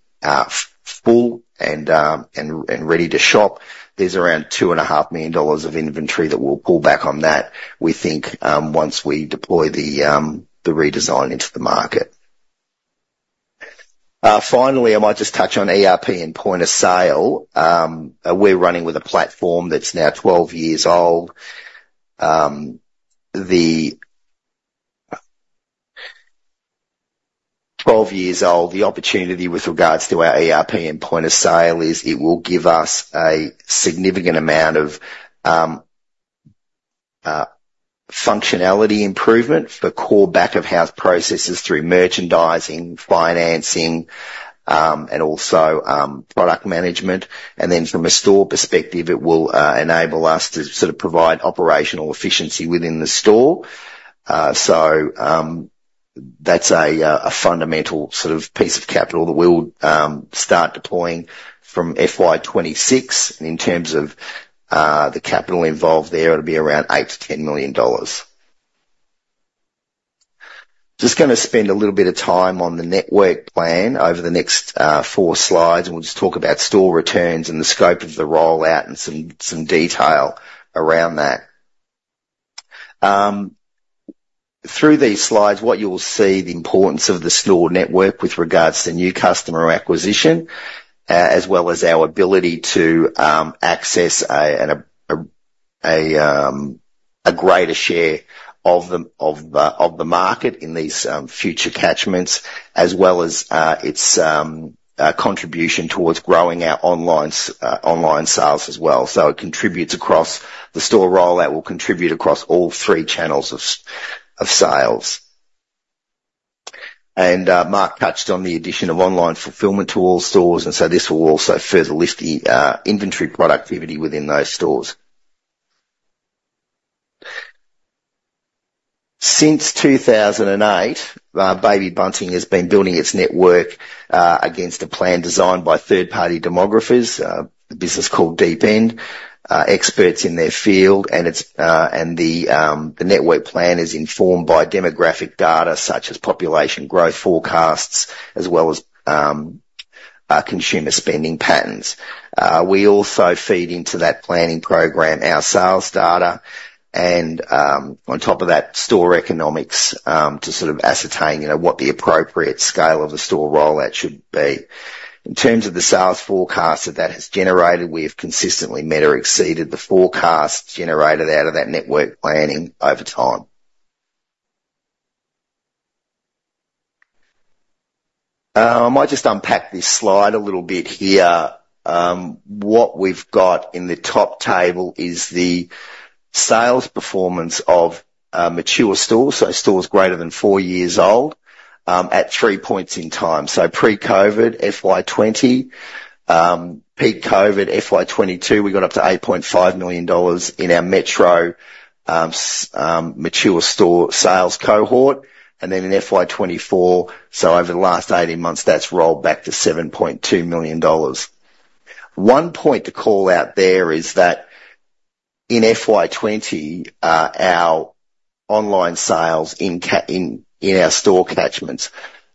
full and ready to shop. There's around 2.5 million dollars of inventory that we'll pull back on that, we think, once we deploy the redesign into the market. Finally, I might just touch on ERP and point of sale. We're running with a platform that's now 12 years old. The opportunity with regards to our ERP and point of sale is it will give us a significant amount of functionality improvement for core back-of-house processes through merchandising, financing, and also product management. Then from a store perspective, it will enable us to sort of provide operational efficiency within the store. So, that's a fundamental sort of piece of capital that we'll start deploying from FY 2026. And in terms of the capital involved there, it'll be around 8 million-10 million dollars. Just gonna spend a little bit of time on the network plan over the next 4 slides, and we'll just talk about store returns and the scope of the rollout and some detail around that. Through these slides, what you will see the importance of the store network with regards to new customer acquisition, as well as our ability to access a greater share of the market in these future catchments, as well as its contribution towards growing our online sales as well. So it contributes across the store rollout, will contribute across all three channels of sales. And Mark touched on the addition of online fulfillment to all stores, and so this will also further lift the inventory productivity within those stores. Since 2008, Baby Bunting has been building its network against a plan designed by third-party demographers, a business called Deep End, experts in their field, and the network plan is informed by demographic data such as population growth forecasts, as well as consumer spending patterns. We also feed into that planning program our sales data, and on top of that, store economics to sort of ascertain, you know, what the appropriate scale of the store rollout should be. In terms of the sales forecast that that has generated, we have consistently met or exceeded the forecasts generated out of that network planning over time. I might just unpack this slide a little bit here. What we've got in the top table is the sales performance of mature stores, so stores greater than four years old, at three points in time, so pre-COVID, FY 2020. Peak COVID, FY 2022, we got up to 8.5 million dollars in our metro mature store sales cohort, and then in FY 2024, so over the last 18 months, that's rolled back to 7.2 million dollars. One point to call out there is that in FY 2020, our online sales in our store catchments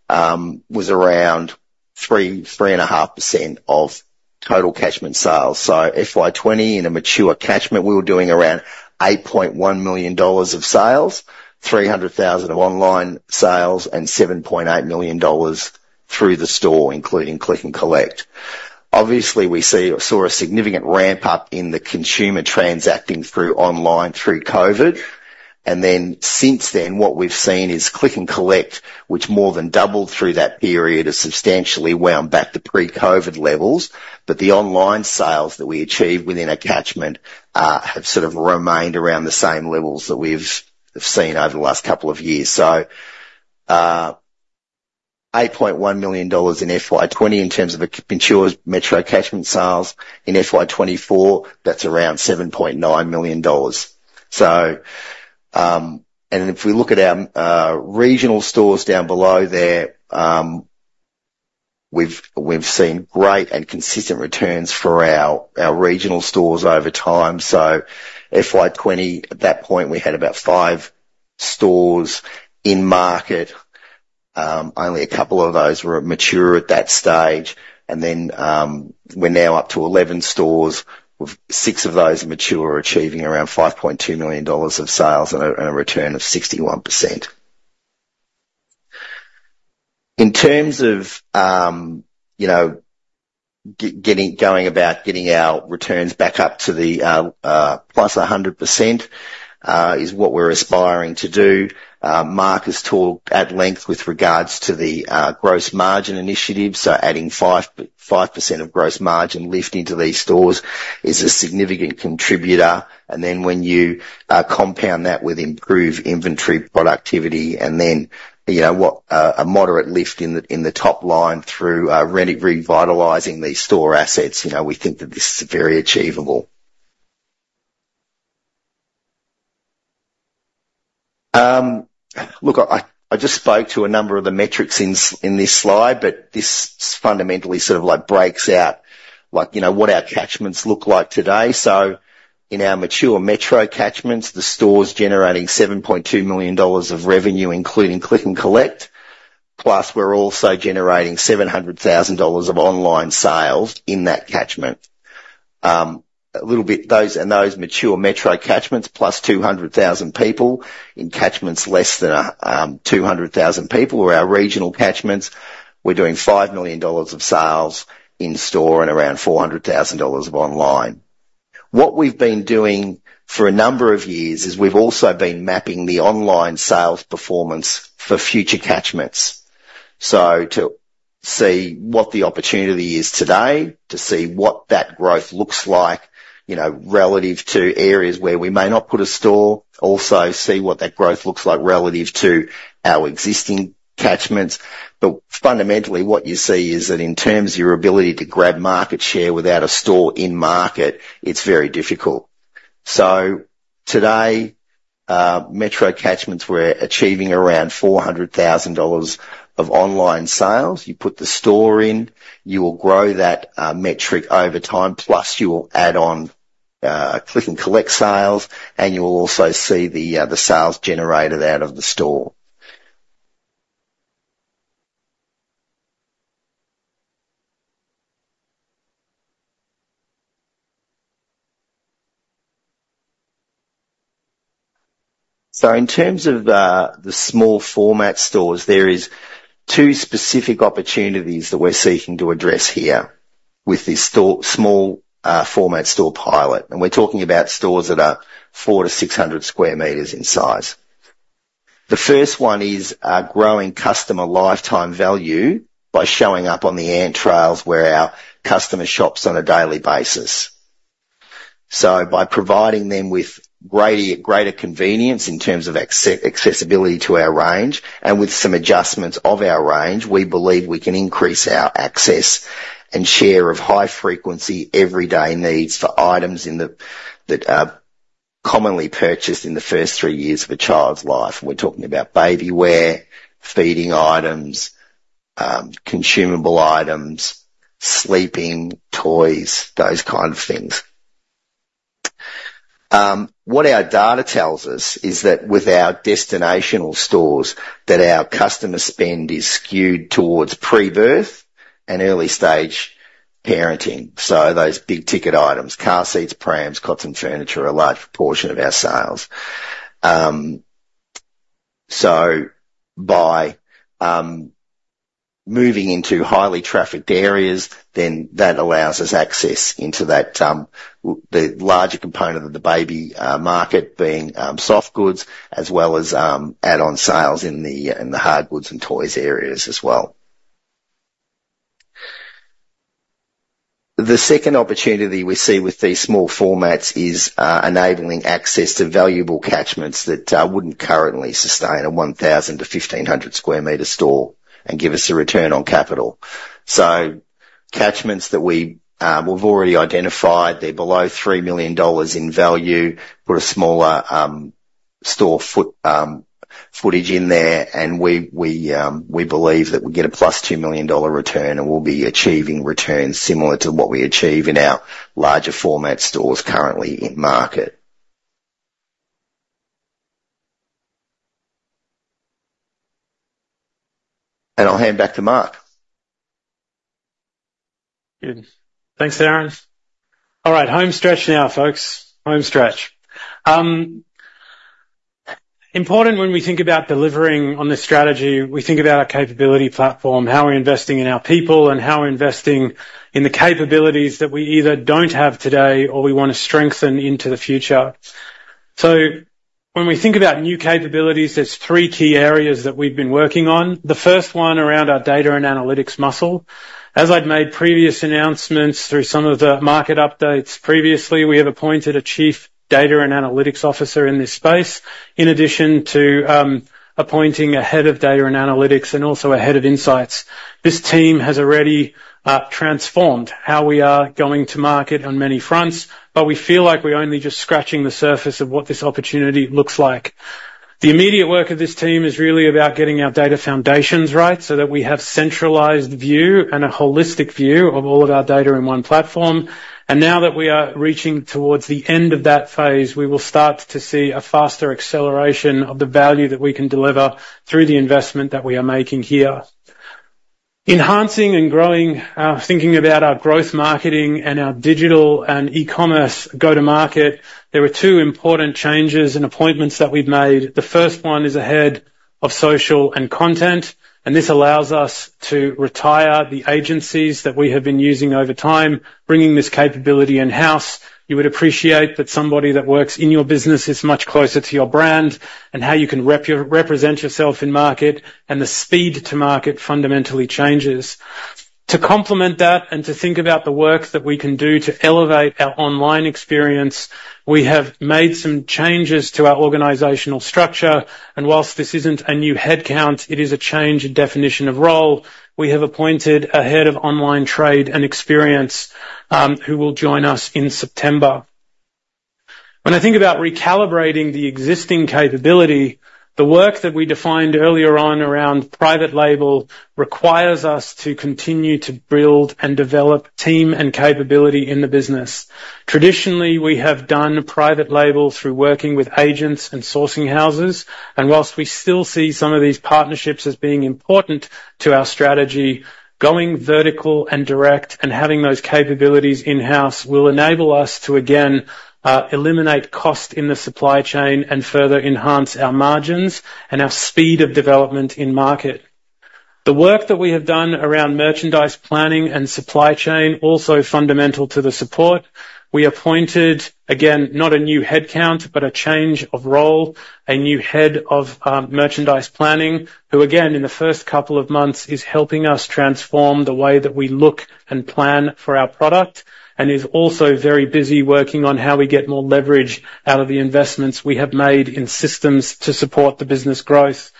was around 3-3.5% of total catchment sales. So FY 2020, in a mature catchment, we were doing around 8.1 million dollars of sales, 300,000 of online sales, and 7.8 million dollars through the store, including Click & Collect. Obviously, we saw a significant ramp up in the consumer transacting through online through COVID. And then, since then, what we've seen is Click & Collect, which more than doubled through that period, has substantially wound back to pre-COVID levels. But the online sales that we achieved within a catchment have sort of remained around the same levels that we've seen over the last couple of years. So, 8.1 million dollars in FY 2020 in terms of a mature metro catchment sales. In FY 2024, that's around 7.9 million dollars. So, and if we look at our regional stores down below there, we've seen great and consistent returns for our regional stores over time. So FY 2020, at that point, we had about five stores in market. Only a couple of those were mature at that stage, and then we're now up to 11 stores, with 6 of those mature, achieving around 5.2 million dollars of sales and a return of 61%. In terms of you know, getting our returns back up to the +100% is what we're aspiring to do. Mark has talked at length with regards to the gross margin initiative, so adding 5% of gross margin lift into these stores is a significant contributor. And then, when you compound that with improved inventory productivity, and then you know, what a moderate lift in the top line through revitalizing these store assets, you know, we think that this is very achievable. Look, I just spoke to a number of the metrics in this slide, but this fundamentally sort of like breaks out, like, you know, what our catchments look like today. So in our mature metro catchments, the store's generating 7.2 million dollars of revenue, including Click & Collect, plus we're also generating 700,000 dollars of online sales in that catchment. Those mature metro catchments +200,000 people. In catchments less than two hundred thousand people or our regional catchments, we're doing 5 million dollars of sales in-store and around 400,000 dollars of online. What we've been doing for a number of years is we've also been mapping the online sales performance for future catchments. So to see what the opportunity is today, to see what that growth looks like, you know, relative to areas where we may not put a store, also see what that growth looks like relative to our existing catchments. But fundamentally, what you see is that in terms of your ability to grab market share without a store in market, it's very difficult. So today, metro catchments, we're achieving around 400,000 dollars of online sales. You put the store in, you will grow that metric over time, plus you will add on Click & Collect sales, and you will also see the sales generated out of the store. So in terms of the small format stores, there is two specific opportunities that we're seeking to address here with this store, small format store pilot, and we're talking about stores that are 400-600 sq m in size. The first one is growing customer lifetime value by showing up on the ant trails where our customer shops on a daily basis. So by providing them with greater convenience in terms of accessibility to our range and with some adjustments of our range, we believe we can increase our access and share of high frequency, everyday needs for items that are commonly purchased in the first 3 years of a child's life. We're talking about baby wear, feeding items, consumable items, sleeping, toys, those kind of things. What our data tells us is that with our destination stores, that our customer spend is skewed towards pre-birth and early stage parenting. So those big-ticket items, car seats, prams, cots, and furniture, are a large portion of our sales. So by moving into highly trafficked areas, that allows us access into the larger component of the baby market being soft goods, as well as add-on sales in the hard goods and toys areas as well. The second opportunity we see with these small formats is enabling access to valuable catchments that wouldn't currently sustain a 1,000-1,500 sq m store and give us a return on capital. So catchments that we've already identified, they're below 3 million dollars in value for a smaller store footage in there. And we believe that we get +2 million dollar return, and we'll be achieving returns similar to what we achieve in our larger format stores currently in market. And I'll hand back to Mark. Good. Thanks, Darin. All right, home stretch now, folks. Home stretch. Important when we think about delivering on this strategy, we think about our capability platform, how we're investing in our people, and how we're investing in the capabilities that we either don't have today or we want to strengthen into the future. So when we think about new capabilities, there's three key areas that we've been working on. The first one around our data and analytics muscle. As I've made previous announcements through some of the market updates previously, we have appointed a Chief Data and Analytics Officer in this space, in addition to, appointing a head of data and analytics and also a head of insights. This team has already transformed how we are going to market on many fronts, but we feel like we're only just scratching the surface of what this opportunity looks like. The immediate work of this team is really about getting our data foundations right, so that we have centralized view and a holistic view of all of our data in one platform. And now that we are reaching towards the end of that phase, we will start to see a faster acceleration of the value that we can deliver through the investment that we are making here. Enhancing and growing thinking about our growth, marketing, and our digital and e-commerce go-to-market, there are two important changes and appointments that we've made. The first one is a head of social and content, and this allows us to retire the agencies that we have been using over time, bringing this capability in-house. You would appreciate that somebody that works in your business is much closer to your brand and how you can represent yourself in market, and the speed to market fundamentally changes. To complement that and to think about the work that we can do to elevate our online experience, we have made some changes to our organizational structure, and while this isn't a new headcount, it is a change in definition of role. We have appointed a head of online trade and experience, who will join us in September. When I think about recalibrating the existing capability, the work that we defined earlier on around private label requires us to continue to build and develop team and capability in the business. Traditionally, we have done private label through working with agents and sourcing houses, and while we still see some of these partnerships as being important to our strategy, going vertical and direct and having those capabilities in-house will enable us to again, eliminate cost in the supply chain and further enhance our margins and our speed of development in market. The work that we have done around merchandise planning and supply chain, also fundamental to the support, we appointed, again, not a new headcount, but a change of role, a new head of merchandise planning, who, again, in the first couple of months, is helping us transform the way that we look and plan for our product, and is also very busy working on how we get more leverage out of the investments we have made in systems to support the business growth.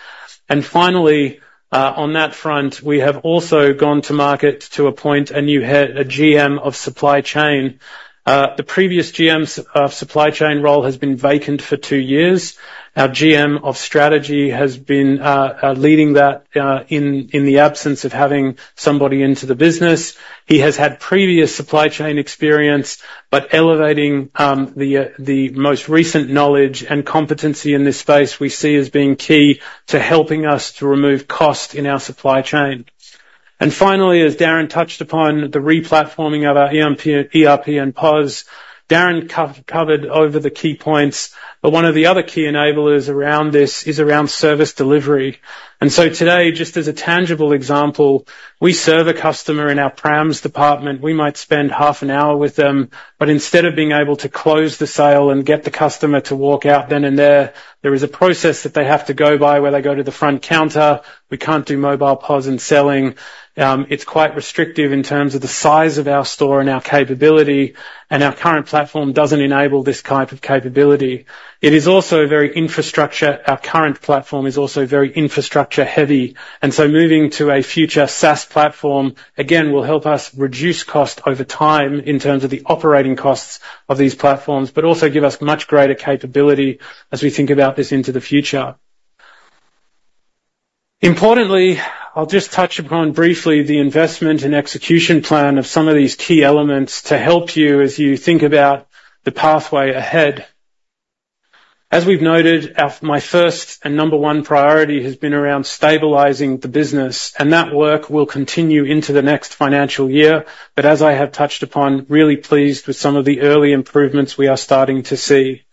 And finally, on that front, we have also gone to market to appoint a new head, a GM of Supply Chain. The previous GMs of Supply Chain role has been vacant for 2 years. Our GM of Strategy has been leading that in the absence of having somebody into the business. He has had previous supply chain experience, but elevating the most recent knowledge and competency in this space we see as being key to helping us to remove cost in our supply chain. Finally, as Darin touched upon the replatforming of our ERP and POS, Darin covered over the key points, but one of the other key enablers around this is around service delivery. So today, just as a tangible example, we serve a customer in our prams department. We might spend half an hour with them, but instead of being able to close the sale and get the customer to walk out then and there, there is a process that they have to go by where they go to the front counter. We can't do mobile POS and selling. It's quite restrictive in terms of the size of our store and our capability, and our current platform doesn't enable this type of capability. It is also very infrastructure-heavy, and so moving to a future SaaS platform again will help us reduce cost over time in terms of the operating costs of these platforms, but also give us much greater capability as we think about this into the future. Importantly, I'll just touch upon briefly the investment and execution plan of some of these key elements to help you as you think about the pathway ahead. As we've noted, my first and number one priority has been around stabilizing the business, and that work will continue into the next financial year. But as I have touched upon, really pleased with some of the early improvements we are starting to see.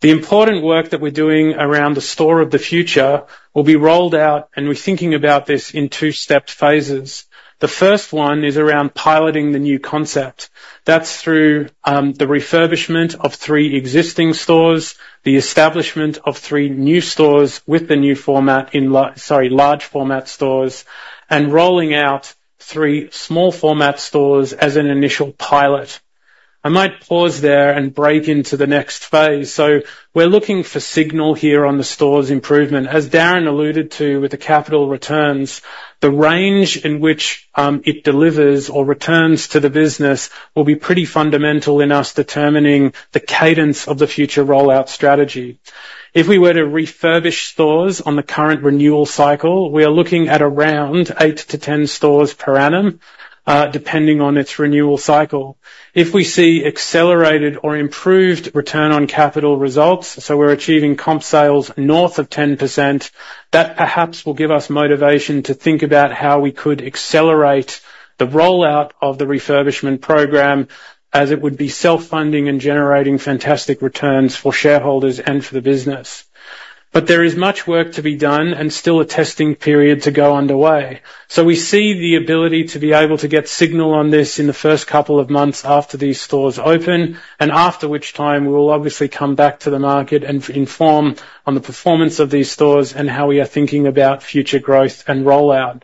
The important work that we're doing around the store of the future will be rolled out, and we're thinking about this in two-stepped phases. The first one is around piloting the new concept. That's through the refurbishment of three existing stores, the establishment of three new stores with the new format in, sorry, large format stores, and rolling out three small format stores as an initial pilot. I might pause there and break into the next phase. So we're looking for signal here on the stores improvement. As Darin alluded to with the capital returns, the range in which it delivers or returns to the business will be pretty fundamental in us determining the cadence of the future rollout strategy. If we were to refurbish stores on the current renewal cycle, we are looking at around 8-10 stores per annum, depending on its renewal cycle. If we see accelerated or improved return on capital results, so we're achieving comp sales north of 10%, that perhaps will give us motivation to think about how we could accelerate the rollout of the refurbishment program, as it would be self-funding and generating fantastic returns for shareholders and for the business. But there is much work to be done and still a testing period to go underway. So we see the ability to be able to get signal on this in the first couple of months after these stores open, and after which time, we will obviously come back to the market and inform on the performance of these stores and how we are thinking about future growth and rollout.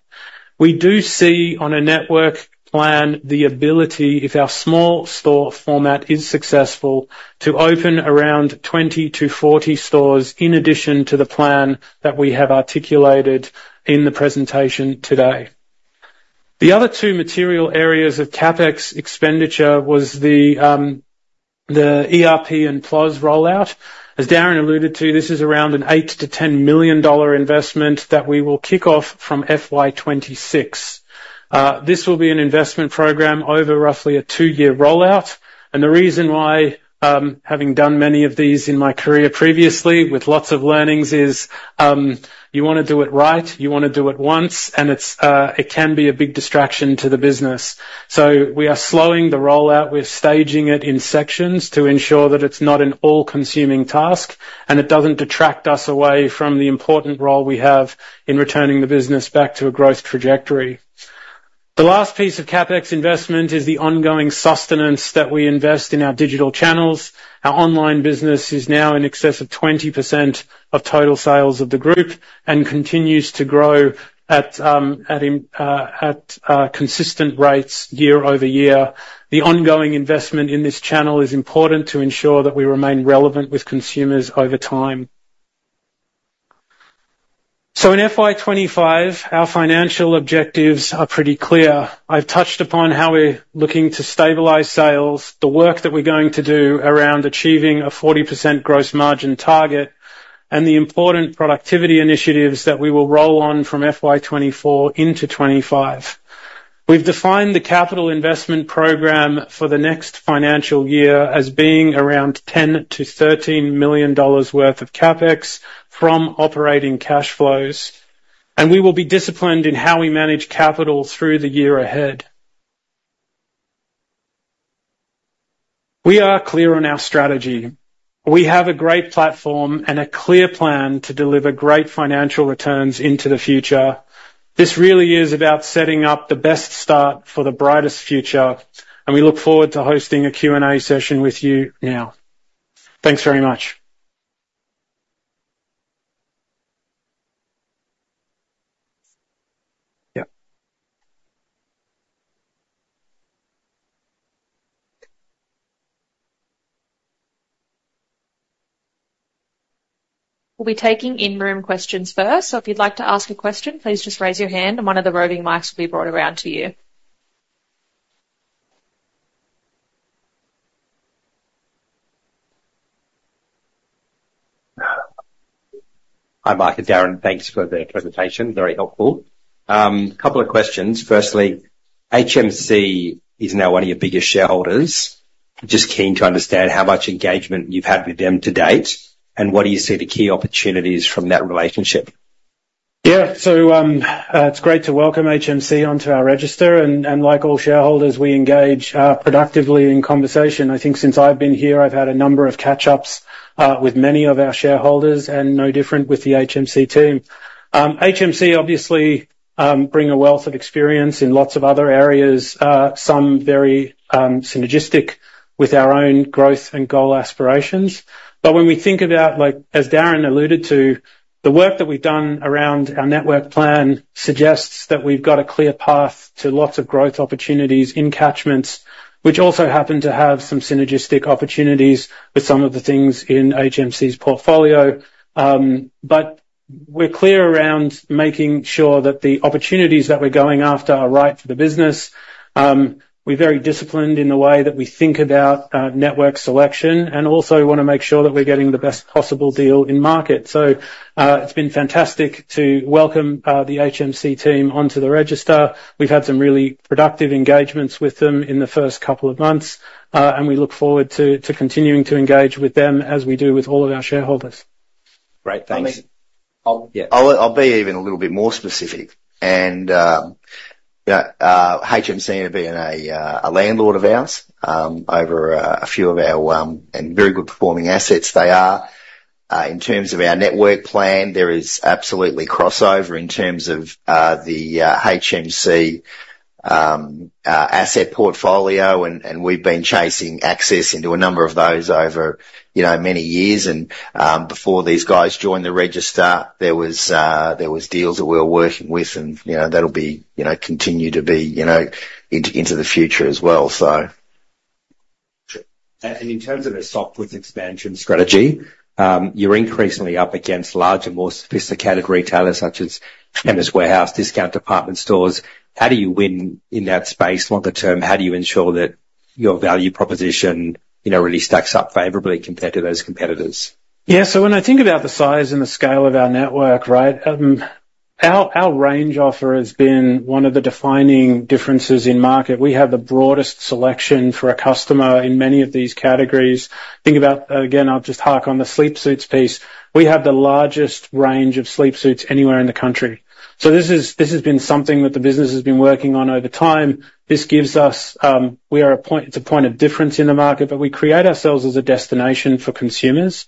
We do see on a network plan, the ability, if our small store format is successful, to open around 20-40 stores, in addition to the plan that we have articulated in the presentation today. The other two material areas of CapEx expenditure was the ERP and POS rollout. As Darin alluded to you, this is around an 8 million-10 million dollar investment that we will kick off from FY 2026. This will be an investment program over roughly a 2-year rollout. And the reason why, having done many of these in my career previously with lots of learnings is, you wanna do it right, you wanna do it once, and it's, it can be a big distraction to the business. So we are slowing the rollout. We're staging it in sections to ensure that it's not an all-consuming task, and it doesn't detract us away from the important role we have in returning the business back to a growth trajectory. The last piece of CapEx investment is the ongoing sustenance that we invest in our digital channels. Our online business is now in excess of 20% of total sales of the group and continues to grow at consistent rates year-over-year. The ongoing investment in this channel is important to ensure that we remain relevant with consumers over time. So in FY 2025, our financial objectives are pretty clear. I've touched upon how we're looking to stabilize sales, the work that we're going to do around achieving a 40% gross margin target, and the important productivity initiatives that we will roll on from FY 2024 into 2025. We've defined the capital investment program for the next financial year as being around 10-13 million dollars worth of CapEx from operating cash flows, and we will be disciplined in how we manage capital through the year ahead. We are clear on our strategy. We have a great platform and a clear plan to deliver great financial returns into the future. This really is about setting up the best start for the brightest future, and we look forward to hosting a Q&A session with you now. Thanks very much. Yep. We'll be taking in-room questions first. So if you'd like to ask a question, please just raise your hand and one of the roving mics will be brought around to you. Hi, Mike and Darin. Thanks for the presentation. Very helpful. A couple of questions. Firstly, HMC is now one of your biggest shareholders. Just keen to understand how much engagement you've had with them to date, and what do you see the key opportunities from that relationship? Yeah. So, it's great to welcome HMC onto our register, and like all shareholders, we engage productively in conversation. I think since I've been here, I've had a number of catch-ups with many of our shareholders and no different with the HMC team. HMC obviously bring a wealth of experience in lots of other areas, some very synergistic with our own growth and goal aspirations. But when we think about, like, as Darin alluded to, the work that we've done around our network plan suggests that we've got a clear path to lots of growth opportunities in catchments, which also happen to have some synergistic opportunities with some of the things in HMC's portfolio. But we're clear around making sure that the opportunities that we're going after are right for the business. We're very disciplined in the way that we think about network selection, and also wanna make sure that we're getting the best possible deal in market. So, it's been fantastic to welcome the HMC team onto the register. We've had some really productive engagements with them in the first couple of months, and we look forward to, to continuing to engage with them as we do with all of our shareholders. Great. Thanks. I'll be even a little bit more specific. And HMC have been a landlord of ours over a few of our and very good performing assets they are.... In terms of our network plan, there is absolutely crossover in terms of the HMC asset portfolio, and we've been chasing access into a number of those over, you know, many years. And before these guys joined the register, there was deals that we were working with and, you know, that'll be, you know, continue to be, you know, into the future as well, so. In terms of a soft goods expansion strategy, you're increasingly up against larger, more sophisticated retailers such as Chemist Warehouse, discount department stores. How do you win in that space longer term? How do you ensure that your value proposition, you know, really stacks up favorably compared to those competitors? Yeah. So when I think about the size and the scale of our network, right, our range offer has been one of the defining differences in market. We have the broadest selection for a customer in many of these categories. Think about, again, I'll just hark on the sleepsuits piece. We have the largest range of sleepsuits anywhere in the country. So this is, this has been something that the business has been working on over time. This gives us, we are a point. It's a point of difference in the market, but we create ourselves as a destination for consumers.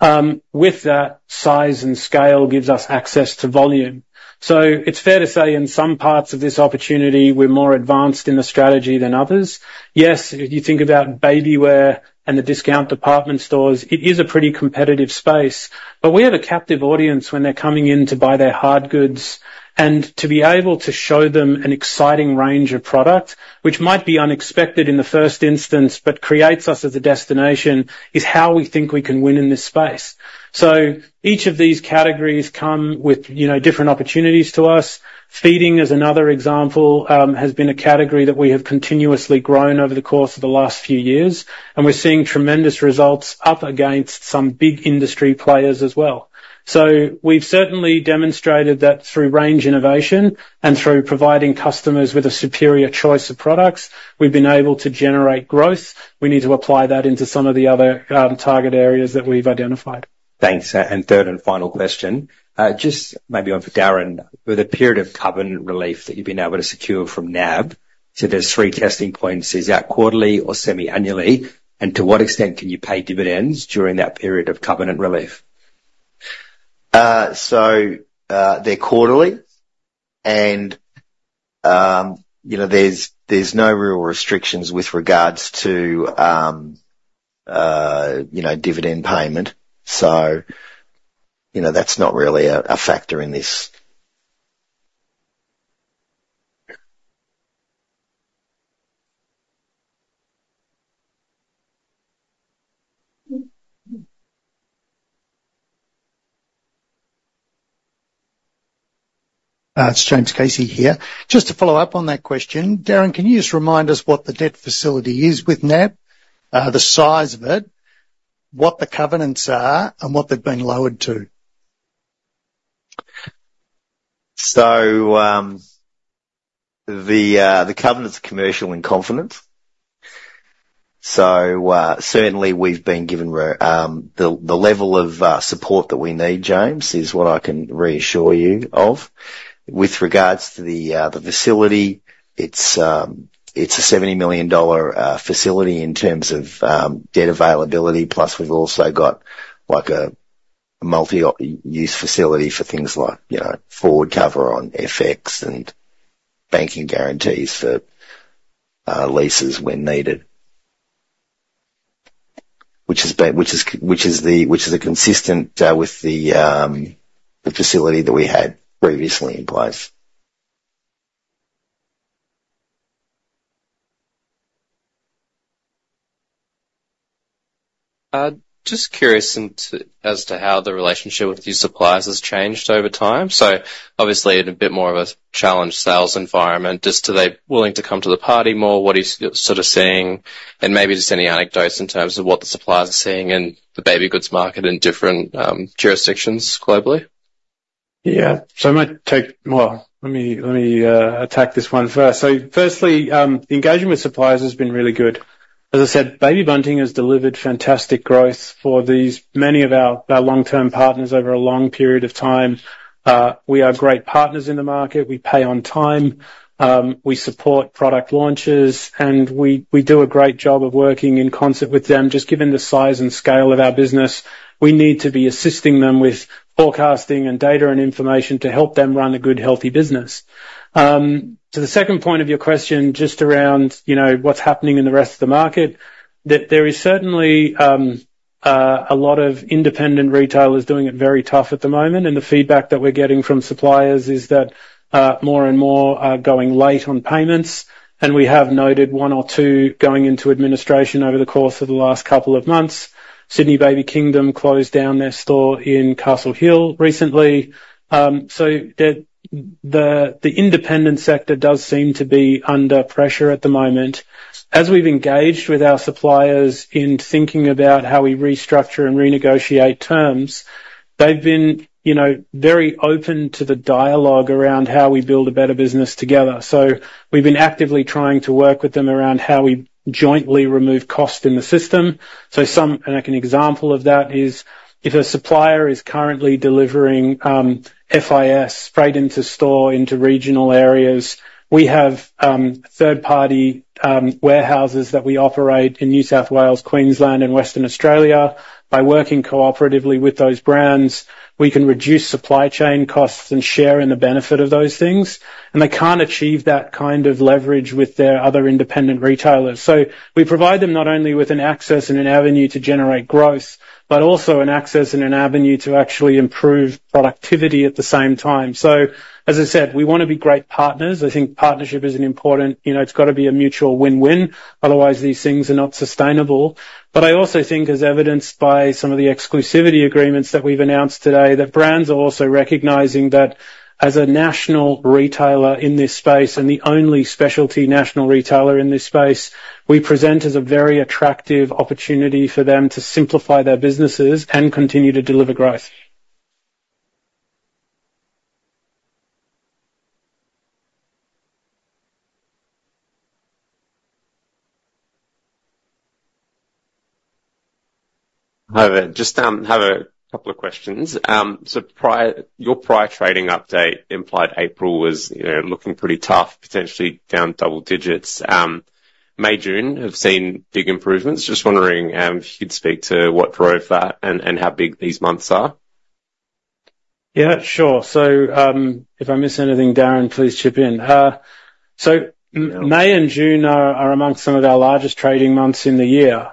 With that, size and scale gives us access to volume. So it's fair to say, in some parts of this opportunity, we're more advanced in the strategy than others. Yes, if you think about babywear and the discount department stores, it is a pretty competitive space, but we have a captive audience when they're coming in to buy their hard goods. And to be able to show them an exciting range of product, which might be unexpected in the first instance, but creates us as a destination, is how we think we can win in this space. So each of these categories come with, you know, different opportunities to us. Feeding is another example, has been a category that we have continuously grown over the course of the last few years, and we're seeing tremendous results up against some big industry players as well. So we've certainly demonstrated that through range innovation and through providing customers with a superior choice of products, we've been able to generate growth. We need to apply that into some of the other target areas that we've identified. Thanks. And third and final question, just maybe one for Darin. With the period of covenant relief that you've been able to secure from NAB, so there's 3 testing points, is that quarterly or semiannually, and to what extent can you pay dividends during that period of covenant relief? So, they're quarterly, and you know, there's no real restrictions with regards to you know, dividend payment. So, you know, that's not really a factor in this. It's James Casey here. Just to follow up on that question, Darin, can you just remind us what the debt facility is with NAB, the size of it, what the covenants are, and what they've been lowered to? So, the covenants are commercial in confidence. So, certainly, we've been given the level of support that we need, James, is what I can reassure you of. With regards to the facility, it's a 70 million dollar facility in terms of debt availability, plus we've also got, like, a multi-op use facility for things like, you know, forward cover on FX and banking guarantees for leases when needed. Which is consistent with the facility that we had previously in place. Just curious as to how the relationship with your suppliers has changed over time. So obviously, in a bit more of a challenged sales environment, just are they willing to come to the party more? What are you sort of seeing, and maybe just any anecdotes in terms of what the suppliers are seeing in the baby goods market in different jurisdictions globally? Yeah. So I might take... Well, let me attack this one first. So firstly, the engagement with suppliers has been really good. As I said, Baby Bunting has delivered fantastic growth for these, many of our long-term partners over a long period of time. We are great partners in the market. We pay on time, we support product launches, and we do a great job of working in concert with them. Just given the size and scale of our business, we need to be assisting them with forecasting and data and information to help them run a good, healthy business. To the second point of your question, just around, you know, what's happening in the rest of the market, there is certainly a lot of independent retailers doing it very tough at the moment, and the feedback that we're getting from suppliers is that more and more are going late on payments, and we have noted one or two going into administration over the course of the last couple of months. Baby Kingdom closed down their store in Castle Hill recently. So the independent sector does seem to be under pressure at the moment. As we've engaged with our suppliers in thinking about how we restructure and renegotiate terms. They've been, you know, very open to the dialogue around how we build a better business together. So we've been actively trying to work with them around how we jointly remove cost in the system. So, like an example of that is, if a supplier is currently delivering FIS straight into store, into regional areas, we have third-party warehouses that we operate in New South Wales, Queensland, and Western Australia. By working cooperatively with those brands, we can reduce supply chain costs and share in the benefit of those things, and they can't achieve that kind of leverage with their other independent retailers. So we provide them not only with an access and an avenue to generate growth, but also an access and an avenue to actually improve productivity at the same time. So, as I said, we wanna be great partners. I think partnership is an important, you know, it's gotta be a mutual win-win, otherwise, these things are not sustainable. But I also think, as evidenced by some of the exclusivity agreements that we've announced today, that brands are also recognizing that as a national retailer in this space and the only specialty national retailer in this space, we present as a very attractive opportunity for them to simplify their businesses and continue to deliver growth. Hi there, just have a couple of questions. So, your prior trading update implied April was, you know, looking pretty tough, potentially down double digits. May, June, have seen big improvements. Just wondering, if you'd speak to what drove that and how big these months are? Yeah, sure. So, if I miss anything, Darin, please chip in. So, May and June are amongst some of our largest trading months in the year.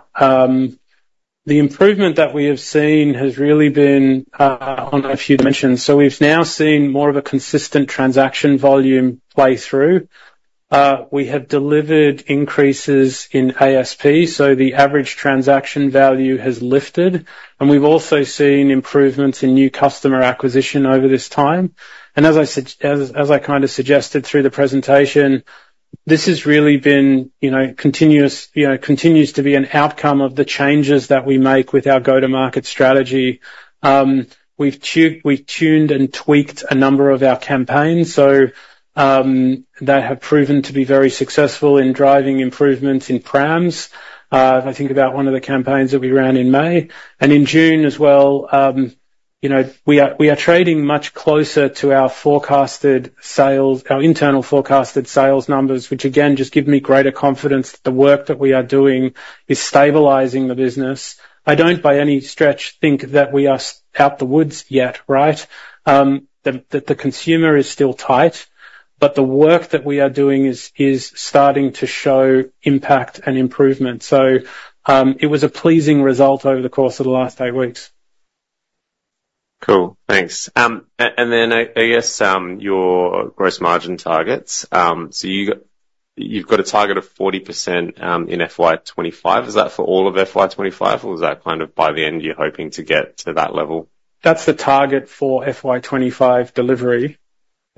The improvement that we have seen has really been, I don't know if you'd mentioned, so we've now seen more of a consistent transaction volume play through. We have delivered increases in ASP, so the average transaction value has lifted, and we've also seen improvements in new customer acquisition over this time. And as I kind of suggested through the presentation, this has really been, you know, continuous, you know, continues to be an outcome of the changes that we make with our go-to-market strategy. We've tuned and tweaked a number of our campaigns, so they have proven to be very successful in driving improvements in prams. If I think about one of the campaigns that we ran in May and in June as well, you know, we are, we are trading much closer to our forecasted sales, our internal forecasted sales numbers, which again, just give me greater confidence that the work that we are doing is stabilizing the business. I don't, by any stretch, think that we are out of the woods yet, right? The consumer is still tight, but the work that we are doing is starting to show impact and improvement. So, it was a pleasing result over the course of the last eight weeks. Cool, thanks. And then, I guess, your gross margin targets. So you've got a target of 40% in FY 2025. Is that for all of FY 2025, or is that kind of by the end, you're hoping to get to that level? That's the target for FY 2025 delivery.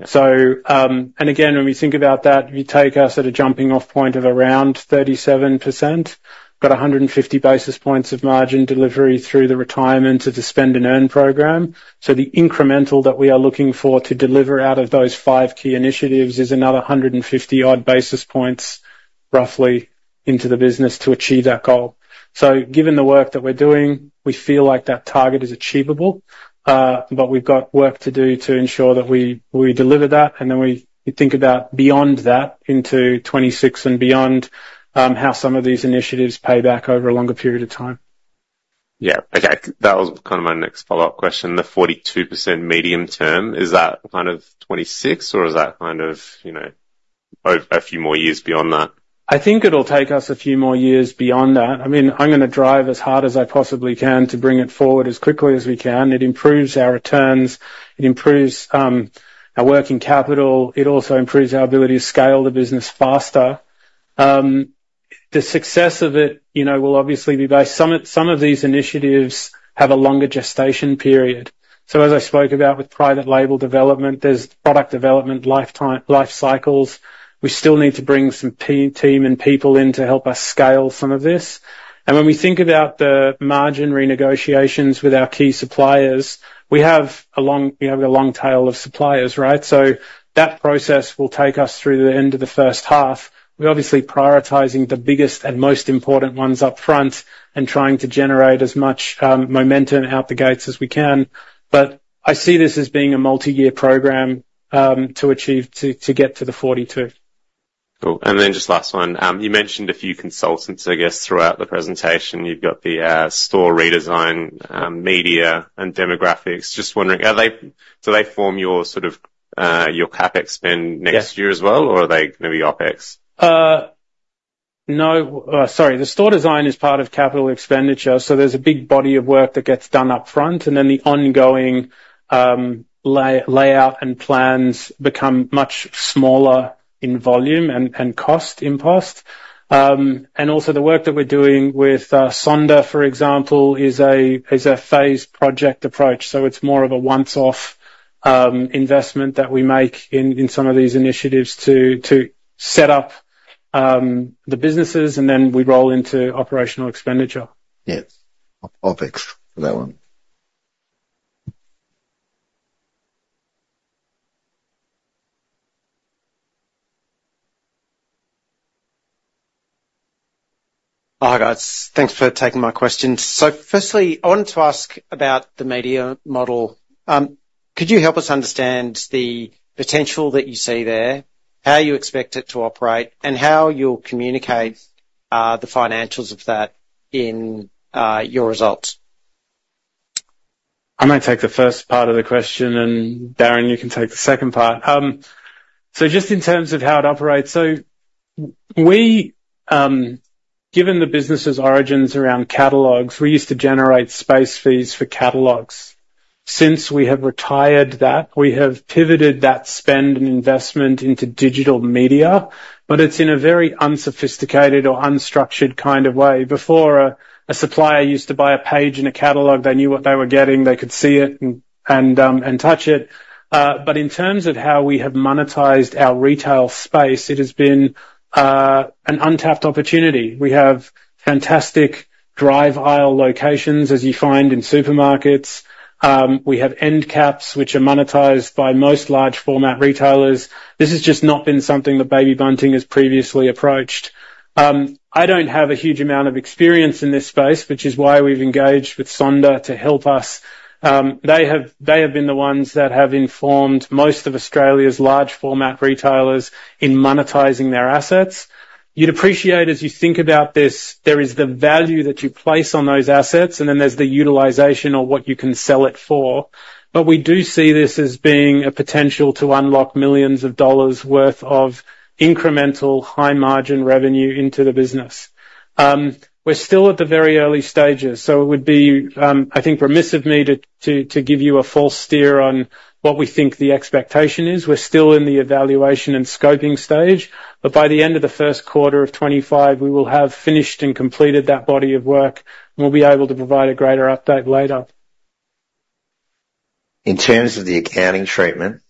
Yeah. So, and again, when we think about that, you take us at a jumping-off point of around 37%, got 150 basis points of margin delivery through the retirement to the Spend & Earn program. So the incremental that we are looking for to deliver out of those five key initiatives is another 150 odd basis points, roughly, into the business to achieve that goal. So given the work that we're doing, we feel like that target is achievable, but we've got work to do to ensure that we, we deliver that, and then we think about beyond that, into 2026 and beyond, how some of these initiatives pay back over a longer period of time. Yeah. Okay. That was kind of my next follow-up question, the 42% medium term. Is that kind of 26, or is that kind of, you know, a few more years beyond that? I think it'll take us a few more years beyond that. I mean, I'm gonna drive as hard as I possibly can to bring it forward as quickly as we can. It improves our returns, it improves our working capital. It also improves our ability to scale the business faster. The success of it, you know, will obviously be based... Some of these initiatives have a longer gestation period. So as I spoke about with private label development, there's product development life cycles. We still need to bring some people, team and people in to help us scale some of this. When we think about the margin renegotiations with our key suppliers, we have a long tail of suppliers, right? So that process will take us through the end of the first half. We're obviously prioritizing the biggest and most important ones up front and trying to generate as much momentum out the gates as we can. But I see this as being a multi-year program to achieve, to get to the 42. Cool. Then just last one. You mentioned a few consultants, I guess, throughout the presentation. You've got the store redesign, media and demographics. Just wondering, are they-- do they form your, sort of, your CapEx spend next year as well or are they maybe OpEx? No. Sorry, the store design is part of capital expenditure, so there's a big body of work that gets done up front, and then the ongoing layout and plans become much smaller in volume and cost imposed. And also the work that we're doing with Sonder, for example, is a phased project approach, so it's more of a once-off investment that we make in some of these initiatives to set up the businesses, and then we roll into operational expenditure. Yes, OpEx for that one. Hi, guys. Thanks for taking my questions. So firstly, I wanted to ask about the media model. Could you help us understand the potential that you see there, how you expect it to operate, and how you'll communicate the financials of that in your results? I'm gonna take the first part of the question, and Darin, you can take the second part. So just in terms of how it operates, so we, given the business's origins around catalogs, we used to generate space fees for catalogs. Since we have retired that, we have pivoted that spend and investment into digital media, but it's in a very unsophisticated or unstructured kind of way. Before, a supplier used to buy a page in a catalog, they knew what they were getting, they could see it and touch it. But in terms of how we have monetized our retail space, it has been an untapped opportunity. We have fantastic drive aisle locations, as you find in supermarkets. We have end caps, which are monetized by most large-format retailers. This has just not been something that Baby Bunting has previously approached. I don't have a huge amount of experience in this space, which is why we've engaged with Sonder to help us. They have been the ones that have informed most of Australia's large-format retailers in monetizing their assets. You'd appreciate, as you think about this, there is the value that you place on those assets, and then there's the utilization or what you can sell it for. But we do see this as being a potential to unlock millions of dollars worth of incremental high-margin revenue into the business. We're still at the very early stages, so it would be, I think, remissive of me to give you a false steer on what we think the expectation is. We're still in the evaluation and scoping stage, but by the end of the first quarter of 2025, we will have finished and completed that body of work, and we'll be able to provide a greater update later. In terms of the accounting treatment,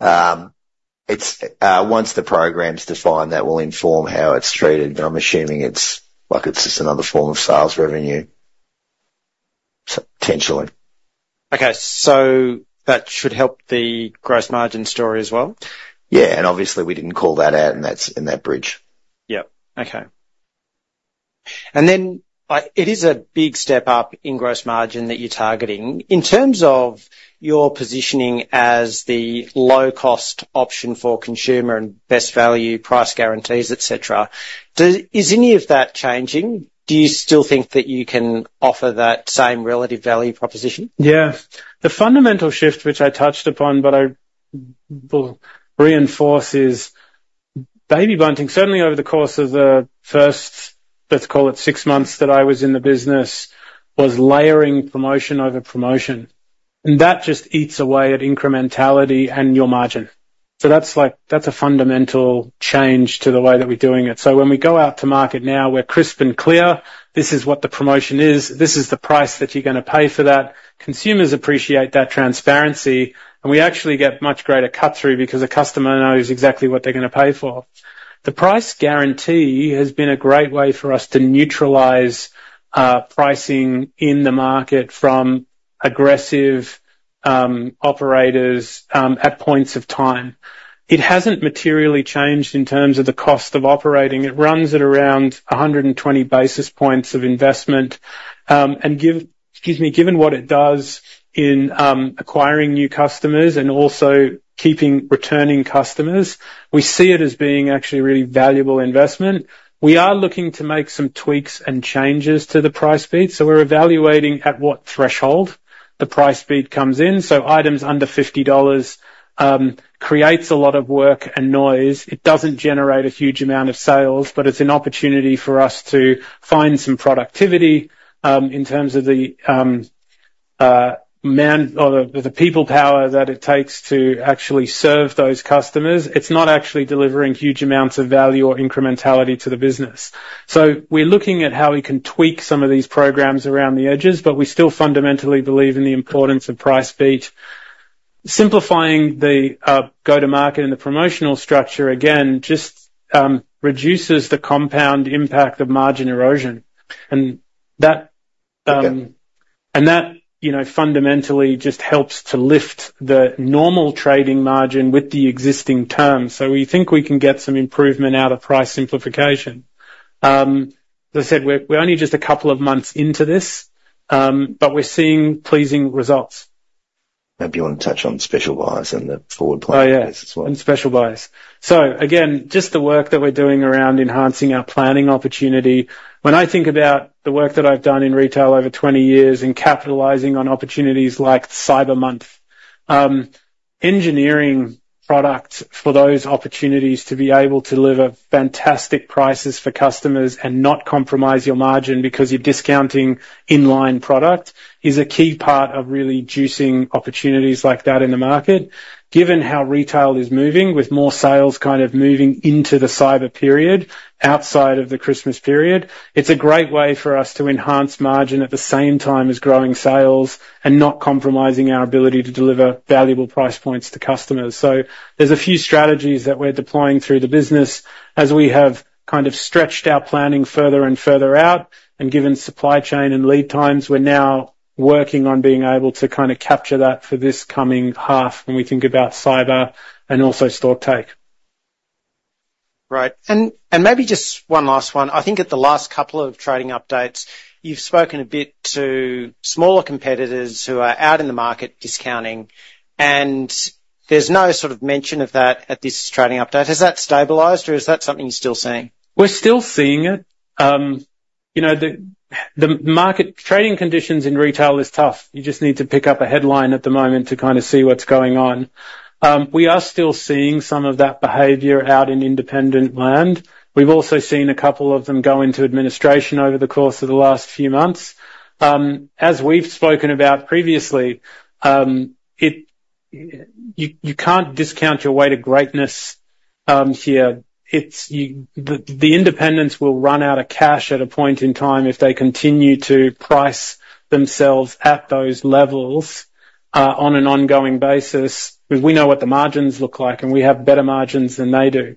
it's once the program's defined, that will inform how it's treated, but I'm assuming it's like, it's just another form of sales revenue, so potentially. Okay, so that should help the gross margin story as well? Yeah, and obviously, we didn't call that out, and that's in that bridge. Yep. Okay. And then, it is a big step up in gross margin that you're targeting. In terms of your positioning as the low-cost option for consumer and best value, price guarantees, et cetera, does... Is any of that changing? Do you still think that you can offer that same relative value proposition? Yeah. The fundamental shift, which I touched upon, but I will reinforce, is Baby Bunting, certainly over the course of the first, let's call it six months, that I was in the business, was layering promotion over promotion, and that just eats away at incrementality and your margin. So that's like, that's a fundamental change to the way that we're doing it. So when we go out to market now, we're crisp and clear. This is what the promotion is. This is the price that you're gonna pay for that. Consumers appreciate that transparency, and we actually get much greater cut-through because a customer knows exactly what they're gonna pay for. The price guarantee has been a great way for us to neutralize, pricing in the market from aggressive, operators, at points of time. It hasn't materially changed in terms of the cost of operating. It runs at around 120 basis points of investment, and given what it does in acquiring new customers and also keeping returning customers, we see it as being actually a really valuable investment. We are looking to make some tweaks and changes to the Price Beat, so we're evaluating at what threshold the Price Beat comes in. So items under 50 dollars creates a lot of work and noise. It doesn't generate a huge amount of sales, but it's an opportunity for us to find some productivity in terms of the manpower or the people power that it takes to actually serve those customers. It's not actually delivering huge amounts of value or incrementality to the business. So we're looking at how we can tweak some of these programs around the edges, but we still fundamentally believe in the importance of Price Beat. Simplifying the go-to-market and the promotional structure, again, just reduces the compound impact of margin erosion. That, you know, fundamentally just helps to lift the normal trading margin with the existing terms, so we think we can get some improvement out of price simplification. As I said, we're only just a couple of months into this, but we're seeing pleasing results. Maybe you want to touch on special buyers and the forward planning as well Oh, yeah and special buyers. So again, just the work that we're doing around enhancing our planning opportunity. When I think about the work that I've done in retail over 20 years and capitalizing on opportunities like Cyber Month, engineering products for those opportunities to be able to deliver fantastic prices for customers and not compromise your margin because you're discounting in-line product, is a key part of really juicing opportunities like that in the market. Given how retail is moving, with more sales kind of moving into the cyber period, outside of the Christmas period, it's a great way for us to enhance margin at the same time as growing sales and not compromising our ability to deliver valuable price points to customers. So there's a few strategies that we're deploying through the business.... As we have kind of stretched our planning further and further out, and given supply chain and lead times, we're now working on being able to kind of capture that for this coming half when we think about cyber and also stocktake. Right. And maybe just one last one. I think at the last couple of trading updates, you've spoken a bit to smaller competitors who are out in the market discounting, and there's no sort of mention of that at this trading update. Has that stabilized, or is that something you're still seeing? We're still seeing it. You know, the market trading conditions in retail is tough. You just need to pick up a headline at the moment to kind of see what's going on. We are still seeing some of that behavior out in independent land. We've also seen a couple of them go into administration over the course of the last few months. As we've spoken about previously, you can't discount your way to greatness here. The independents will run out of cash at a point in time if they continue to price themselves at those levels on an ongoing basis, because we know what the margins look like, and we have better margins than they do.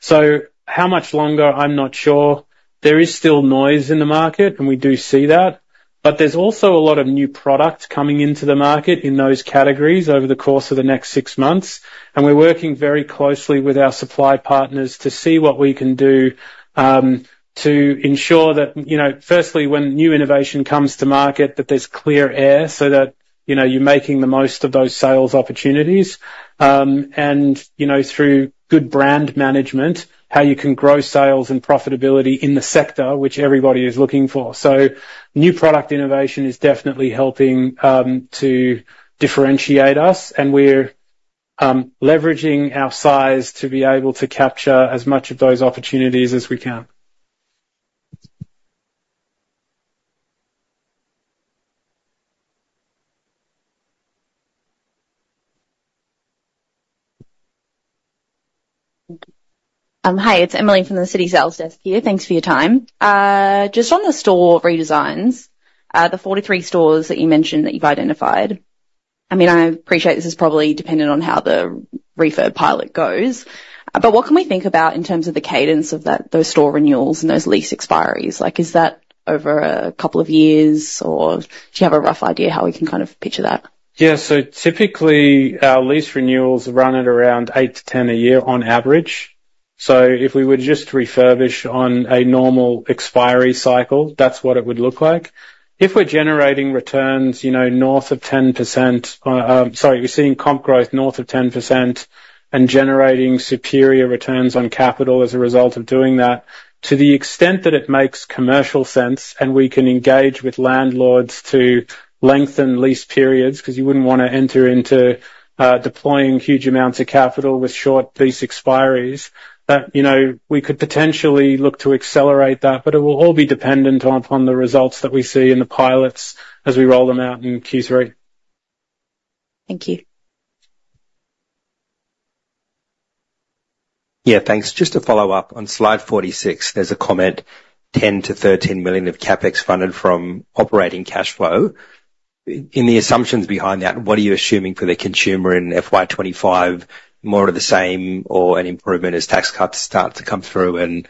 So how much longer? I'm not sure. There is still noise in the market, and we do see that, but there's also a lot of new product coming into the market in those categories over the course of the next six months, and we're working very closely with our supply partners to see what we can do, to ensure that, you know, firstly, when new innovation comes to market, that there's clear air so that, you know, you're making the most of those sales opportunities. And, you know, through good brand management, how you can grow sales and profitability in the sector, which everybody is looking for. So new product innovation is definitely helping, to differentiate us, and we're leveraging our size to be able to capture as much of those opportunities as we can. Hi, it's Emily from the Citi sales desk here. Thanks for your time. Just on the store redesigns, the 43 stores that you mentioned that you've identified, I mean, I appreciate this is probably dependent on how the refurb pilot goes, but what can we think about in terms of the cadence of that, those store renewals and those lease expiries? Like, is that over a couple of years, or do you have a rough idea how we can kind of picture that? Yeah. So typically, our lease renewals run at around 8-10 a year on average. So if we were just to refurbish on a normal expiry cycle, that's what it would look like. If we're generating returns, you know, north of 10%, Sorry, we're seeing comp growth north of 10% and generating superior returns on capital as a result of doing that, to the extent that it makes commercial sense, and we can engage with landlords to lengthen lease periods, 'cause you wouldn't want to enter into deploying huge amounts of capital with short lease expiries, you know, we could potentially look to accelerate that, but it will all be dependent upon the results that we see in the pilots as we roll them out in Q3. Thank you. Yeah, thanks. Just to follow up, on slide 46, there's a comment, 10 million-13 million of CapEx funded from operating cash flow. In the assumptions behind that, what are you assuming for the consumer in FY 2025? More of the same, or an improvement as tax cuts start to come through and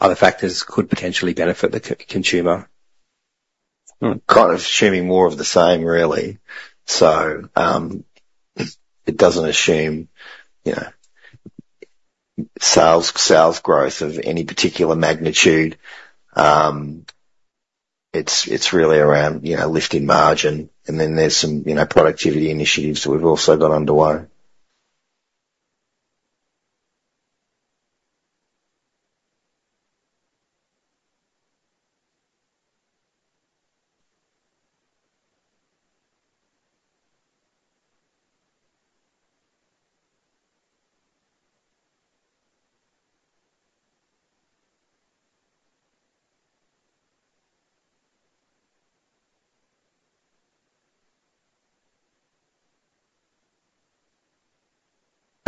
other factors could potentially benefit the consumer? Kind of assuming more of the same, really. It doesn't assume, you know, sales, sales growth of any particular magnitude. It's really around, you know, lifting margin, and then there's some, you know, productivity initiatives that we've also got underway.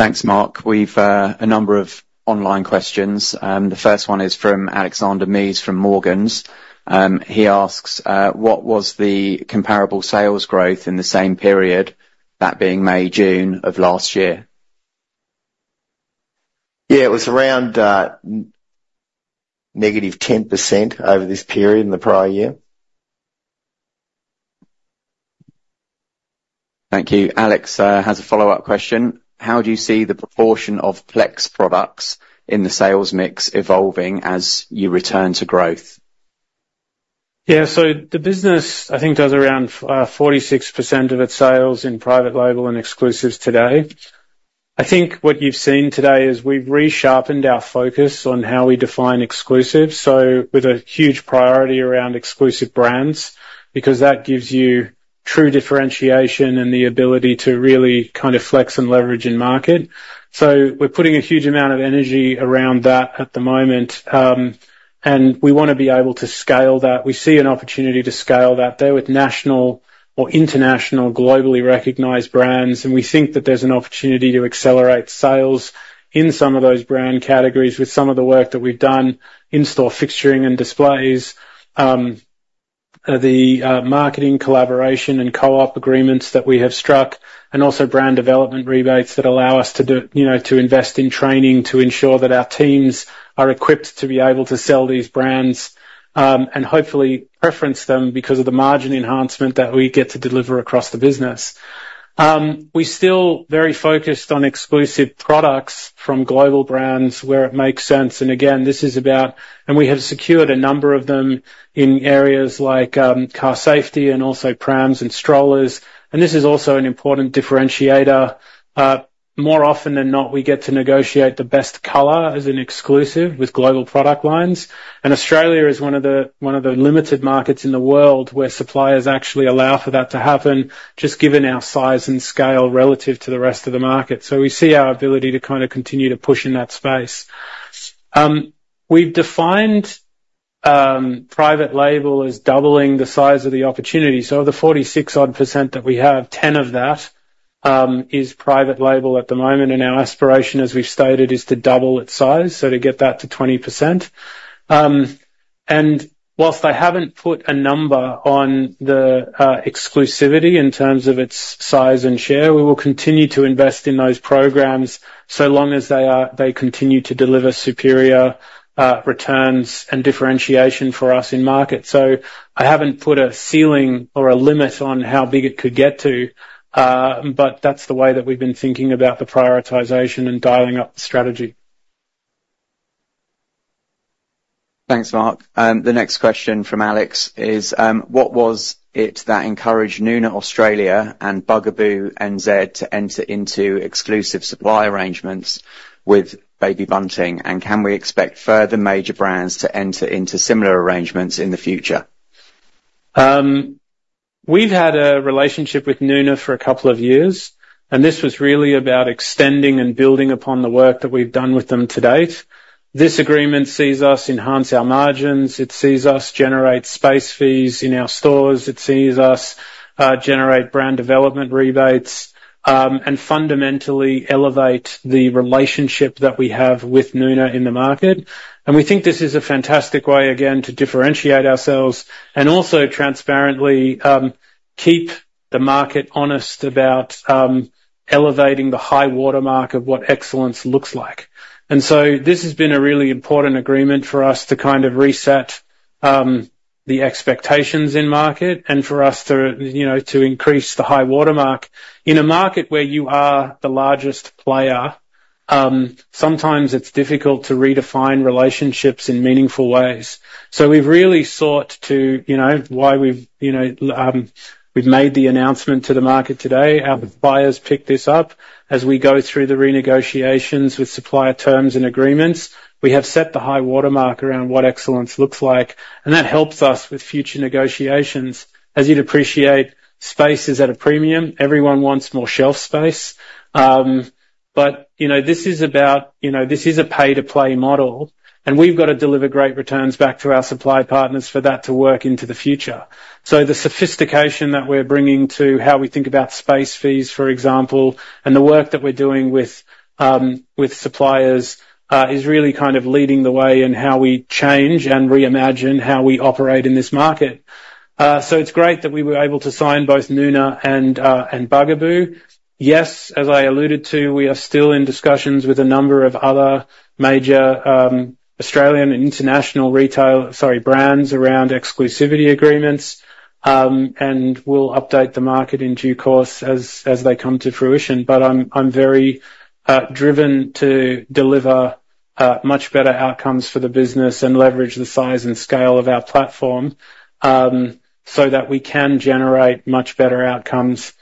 Thanks, Mark. We've a number of online questions. The first one is from Alexander Mees from Morgans. He asks, "What was the comparable sales growth in the same period, that being May, June of last year? Yeah, it was around negative 10% over this period in the prior year. Thank you. Alex has a follow-up question: "How do you see the proportion of flex products in the sales mix evolving as you return to growth? Yeah, so the business, I think, does around 46% of its sales in private label and exclusives today. I think what you've seen today is we've resharpened our focus on how we define exclusive, so with a huge priority around exclusive brands, because that gives you true differentiation and the ability to really kind of flex and leverage in market. So we're putting a huge amount of energy around that at the moment, and we want to be able to scale that. We see an opportunity to scale that, there with national or international, globally recognized brands, and we think that there's an opportunity to accelerate sales in some of those brand categories with some of the work that we've done, in-store fixturing and displays. The marketing collaboration and co-op agreements that we have struck, and also brand development rebates that allow us to do, you know, to invest in training, to ensure that our teams are equipped to be able to sell these brands, and hopefully preference them because of the margin enhancement that we get to deliver across the business. We're still very focused on exclusive products from global brands where it makes sense, and again, this is about... And we have secured a number of them in areas like, car safety and also prams and strollers, and this is also an important differentiator. More often than not, we get to negotiate the best color as an exclusive with global product lines. Australia is one of the, one of the limited markets in the world where suppliers actually allow for that to happen, just given our size and scale relative to the rest of the market. So we see our ability to kind of continue to push in that space. We've defined private label as doubling the size of the opportunity. So the 46 odd percent that we have, 10 of that is private label at the moment, and our aspiration, as we've stated, is to double its size, so to get that to 20%. And whilst I haven't put a number on the exclusivity in terms of its size and share, we will continue to invest in those programs so long as they are, they continue to deliver superior returns and differentiation for us in market. So I haven't put a ceiling or a limit on how big it could get to, but that's the way that we've been thinking about the prioritization and dialing up the strategy. Thanks, Mark. The next question from Alex is: What was it that encouraged Nuna Australia and Bugaboo NZ to enter into exclusive supply arrangements with Baby Bunting? And can we expect further major brands to enter into similar arrangements in the future? We've had a relationship with Nuna for a couple of years, and this was really about extending and building upon the work that we've done with them to date. This agreement sees us enhance our margins. It sees us generate space fees in our stores. It sees us generate brand development rebates, and fundamentally elevate the relationship that we have with Nuna in the market. And we think this is a fantastic way, again, to differentiate ourselves and also transparently keep the market honest about elevating the high watermark of what excellence looks like. And so this has been a really important agreement for us to kind of reset the expectations in market and for us to, you know, to increase the high watermark. In a market where you are the largest player, sometimes it's difficult to redefine relationships in meaningful ways. So we've really sought to, you know, we've made the announcement to the market today. Our buyers pick this up as we go through the renegotiations with supplier terms and agreements. We have set the high watermark around what excellence looks like, and that helps us with future negotiations. As you'd appreciate, space is at a premium. Everyone wants more shelf space. But, you know, this is about, you know, this is a pay-to-play model, and we've got to deliver great returns back to our supplier partners for that to work into the future. So the sophistication that we're bringing to how we think about space fees, for example, and the work that we're doing with suppliers is really kind of leading the way in how we change and reimagine how we operate in this market. So it's great that we were able to sign both Nuna and Bugaboo. Yes, as I alluded to, we are still in discussions with a number of other major Australian and international brands around exclusivity agreements, and we'll update the market in due course as they come to fruition. But I'm, I'm very driven to deliver much better outcomes for the business and leverage the size and scale of our platform, so that we can generate much better outcomes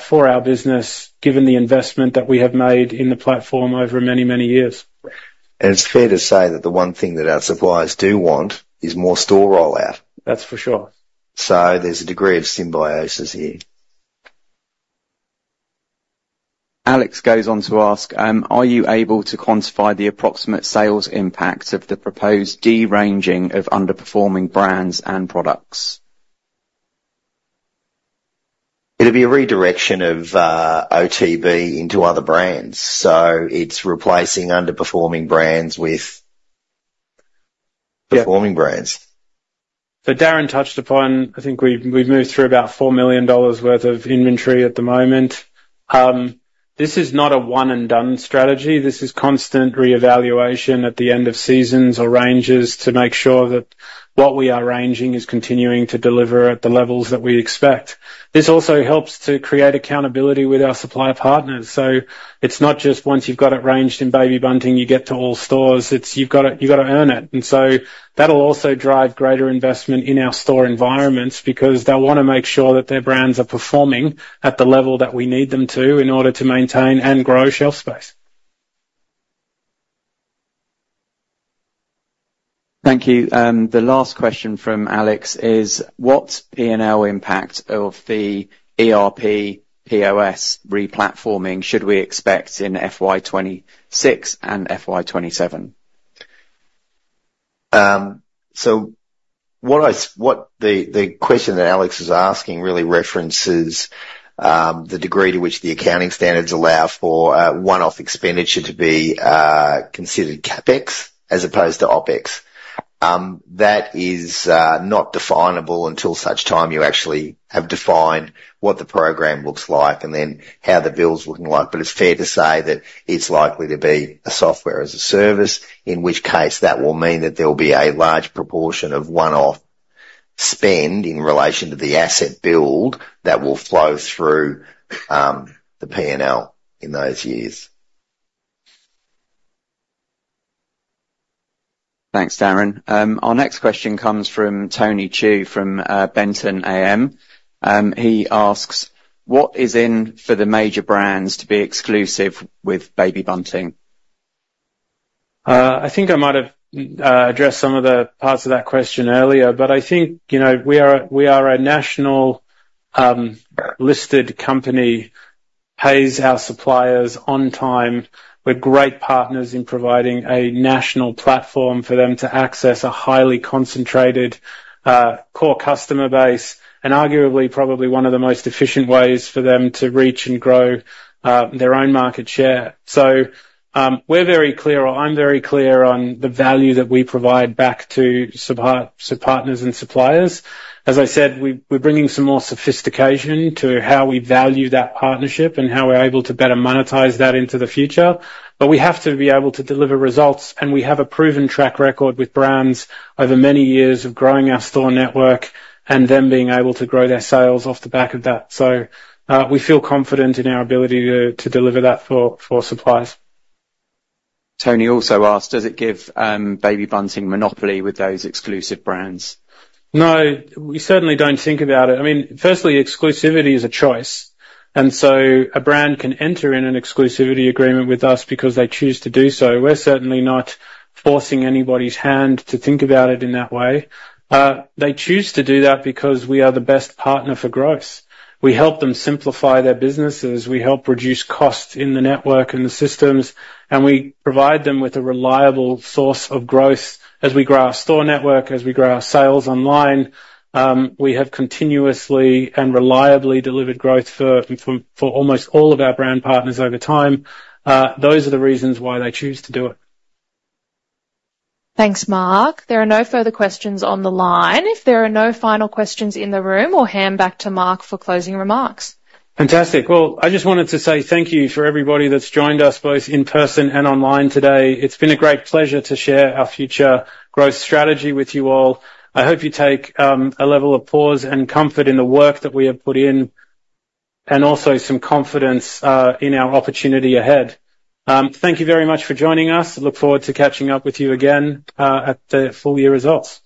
for our business, given the investment that we have made in the platform over many, many years. It's fair to say that the one thing that our suppliers do want is more store rollout. That's for sure. There's a degree of symbiosis here. Alex goes on to ask: Are you able to quantify the approximate sales impact of the proposed de-ranging of underperforming brands and products? It'll be a redirection of OTB into other brands, so it's replacing underperforming brands with- Yep. -performing brands. So Darin touched upon, I think we've moved through about 4 million dollars worth of inventory at the moment. This is not a one-and-done strategy. This is constant reevaluation at the end of seasons or ranges to make sure that what we are ranging is continuing to deliver at the levels that we expect. This also helps to create accountability with our supplier partners, so it's not just once you've got it ranged in Baby Bunting, you get to all stores. It's you've gotta earn it. And so that'll also drive greater investment in our store environments, because they'll wanna make sure that their brands are performing at the level that we need them to in order to maintain and grow shelf space. Thank you. The last question from Alex is: What P&L impact of the ERP/POS replatforming should we expect in FY 2026 and FY 2027? So what the question that Alex is asking really references the degree to which the accounting standards allow for one-off expenditure to be considered CapEx as opposed to OpEx. That is not definable until such time you actually have defined what the program looks like and then how the bill's looking like. But it's fair to say that it's likely to be a software as a service, in which case that will mean that there will be a large proportion of one-off spend in relation to the asset build that will flow through the P&L in those years. Thanks, Darin. Our next question comes from Tony Chu from Benton AM. He asks: What is in for the major brands to be exclusive with Baby Bunting? I think I might have addressed some of the parts of that question earlier, but I think, you know, we are, we are a national, listed company, pays our suppliers on time. We're great partners in providing a national platform for them to access a highly concentrated, core customer base, and arguably, probably one of the most efficient ways for them to reach and grow, their own market share. So, we're very clear, or I'm very clear on the value that we provide back to supplier partners and suppliers. As I said, we're bringing some more sophistication to how we value that partnership and how we're able to better monetize that into the future. But we have to be able to deliver results, and we have a proven track record with brands over many years of growing our store network and them being able to grow their sales off the back of that. So, we feel confident in our ability to deliver that for suppliers. Tony also asked: Does it give, Baby Bunting monopoly with those exclusive brands? No, we certainly don't think about it. I mean, firstly, exclusivity is a choice, and so a brand can enter in an exclusivity agreement with us because they choose to do so. We're certainly not forcing anybody's hand to think about it in that way. They choose to do that because we are the best partner for growth. We help them simplify their businesses, we help reduce costs in the network and the systems, and we provide them with a reliable source of growth. As we grow our store network, as we grow our sales online, we have continuously and reliably delivered growth for almost all of our brand partners over time. Those are the reasons why they choose to do it. Thanks, Mark. There are no further questions on the line. If there are no final questions in the room, we'll hand back to Mark for closing remarks. Fantastic. Well, I just wanted to say thank you for everybody that's joined us, both in person and online today. It's been a great pleasure to share our future growth strategy with you all. I hope you take a level of pause and comfort in the work that we have put in, and also some confidence in our opportunity ahead. Thank you very much for joining us. Look forward to catching up with you again at the full year results.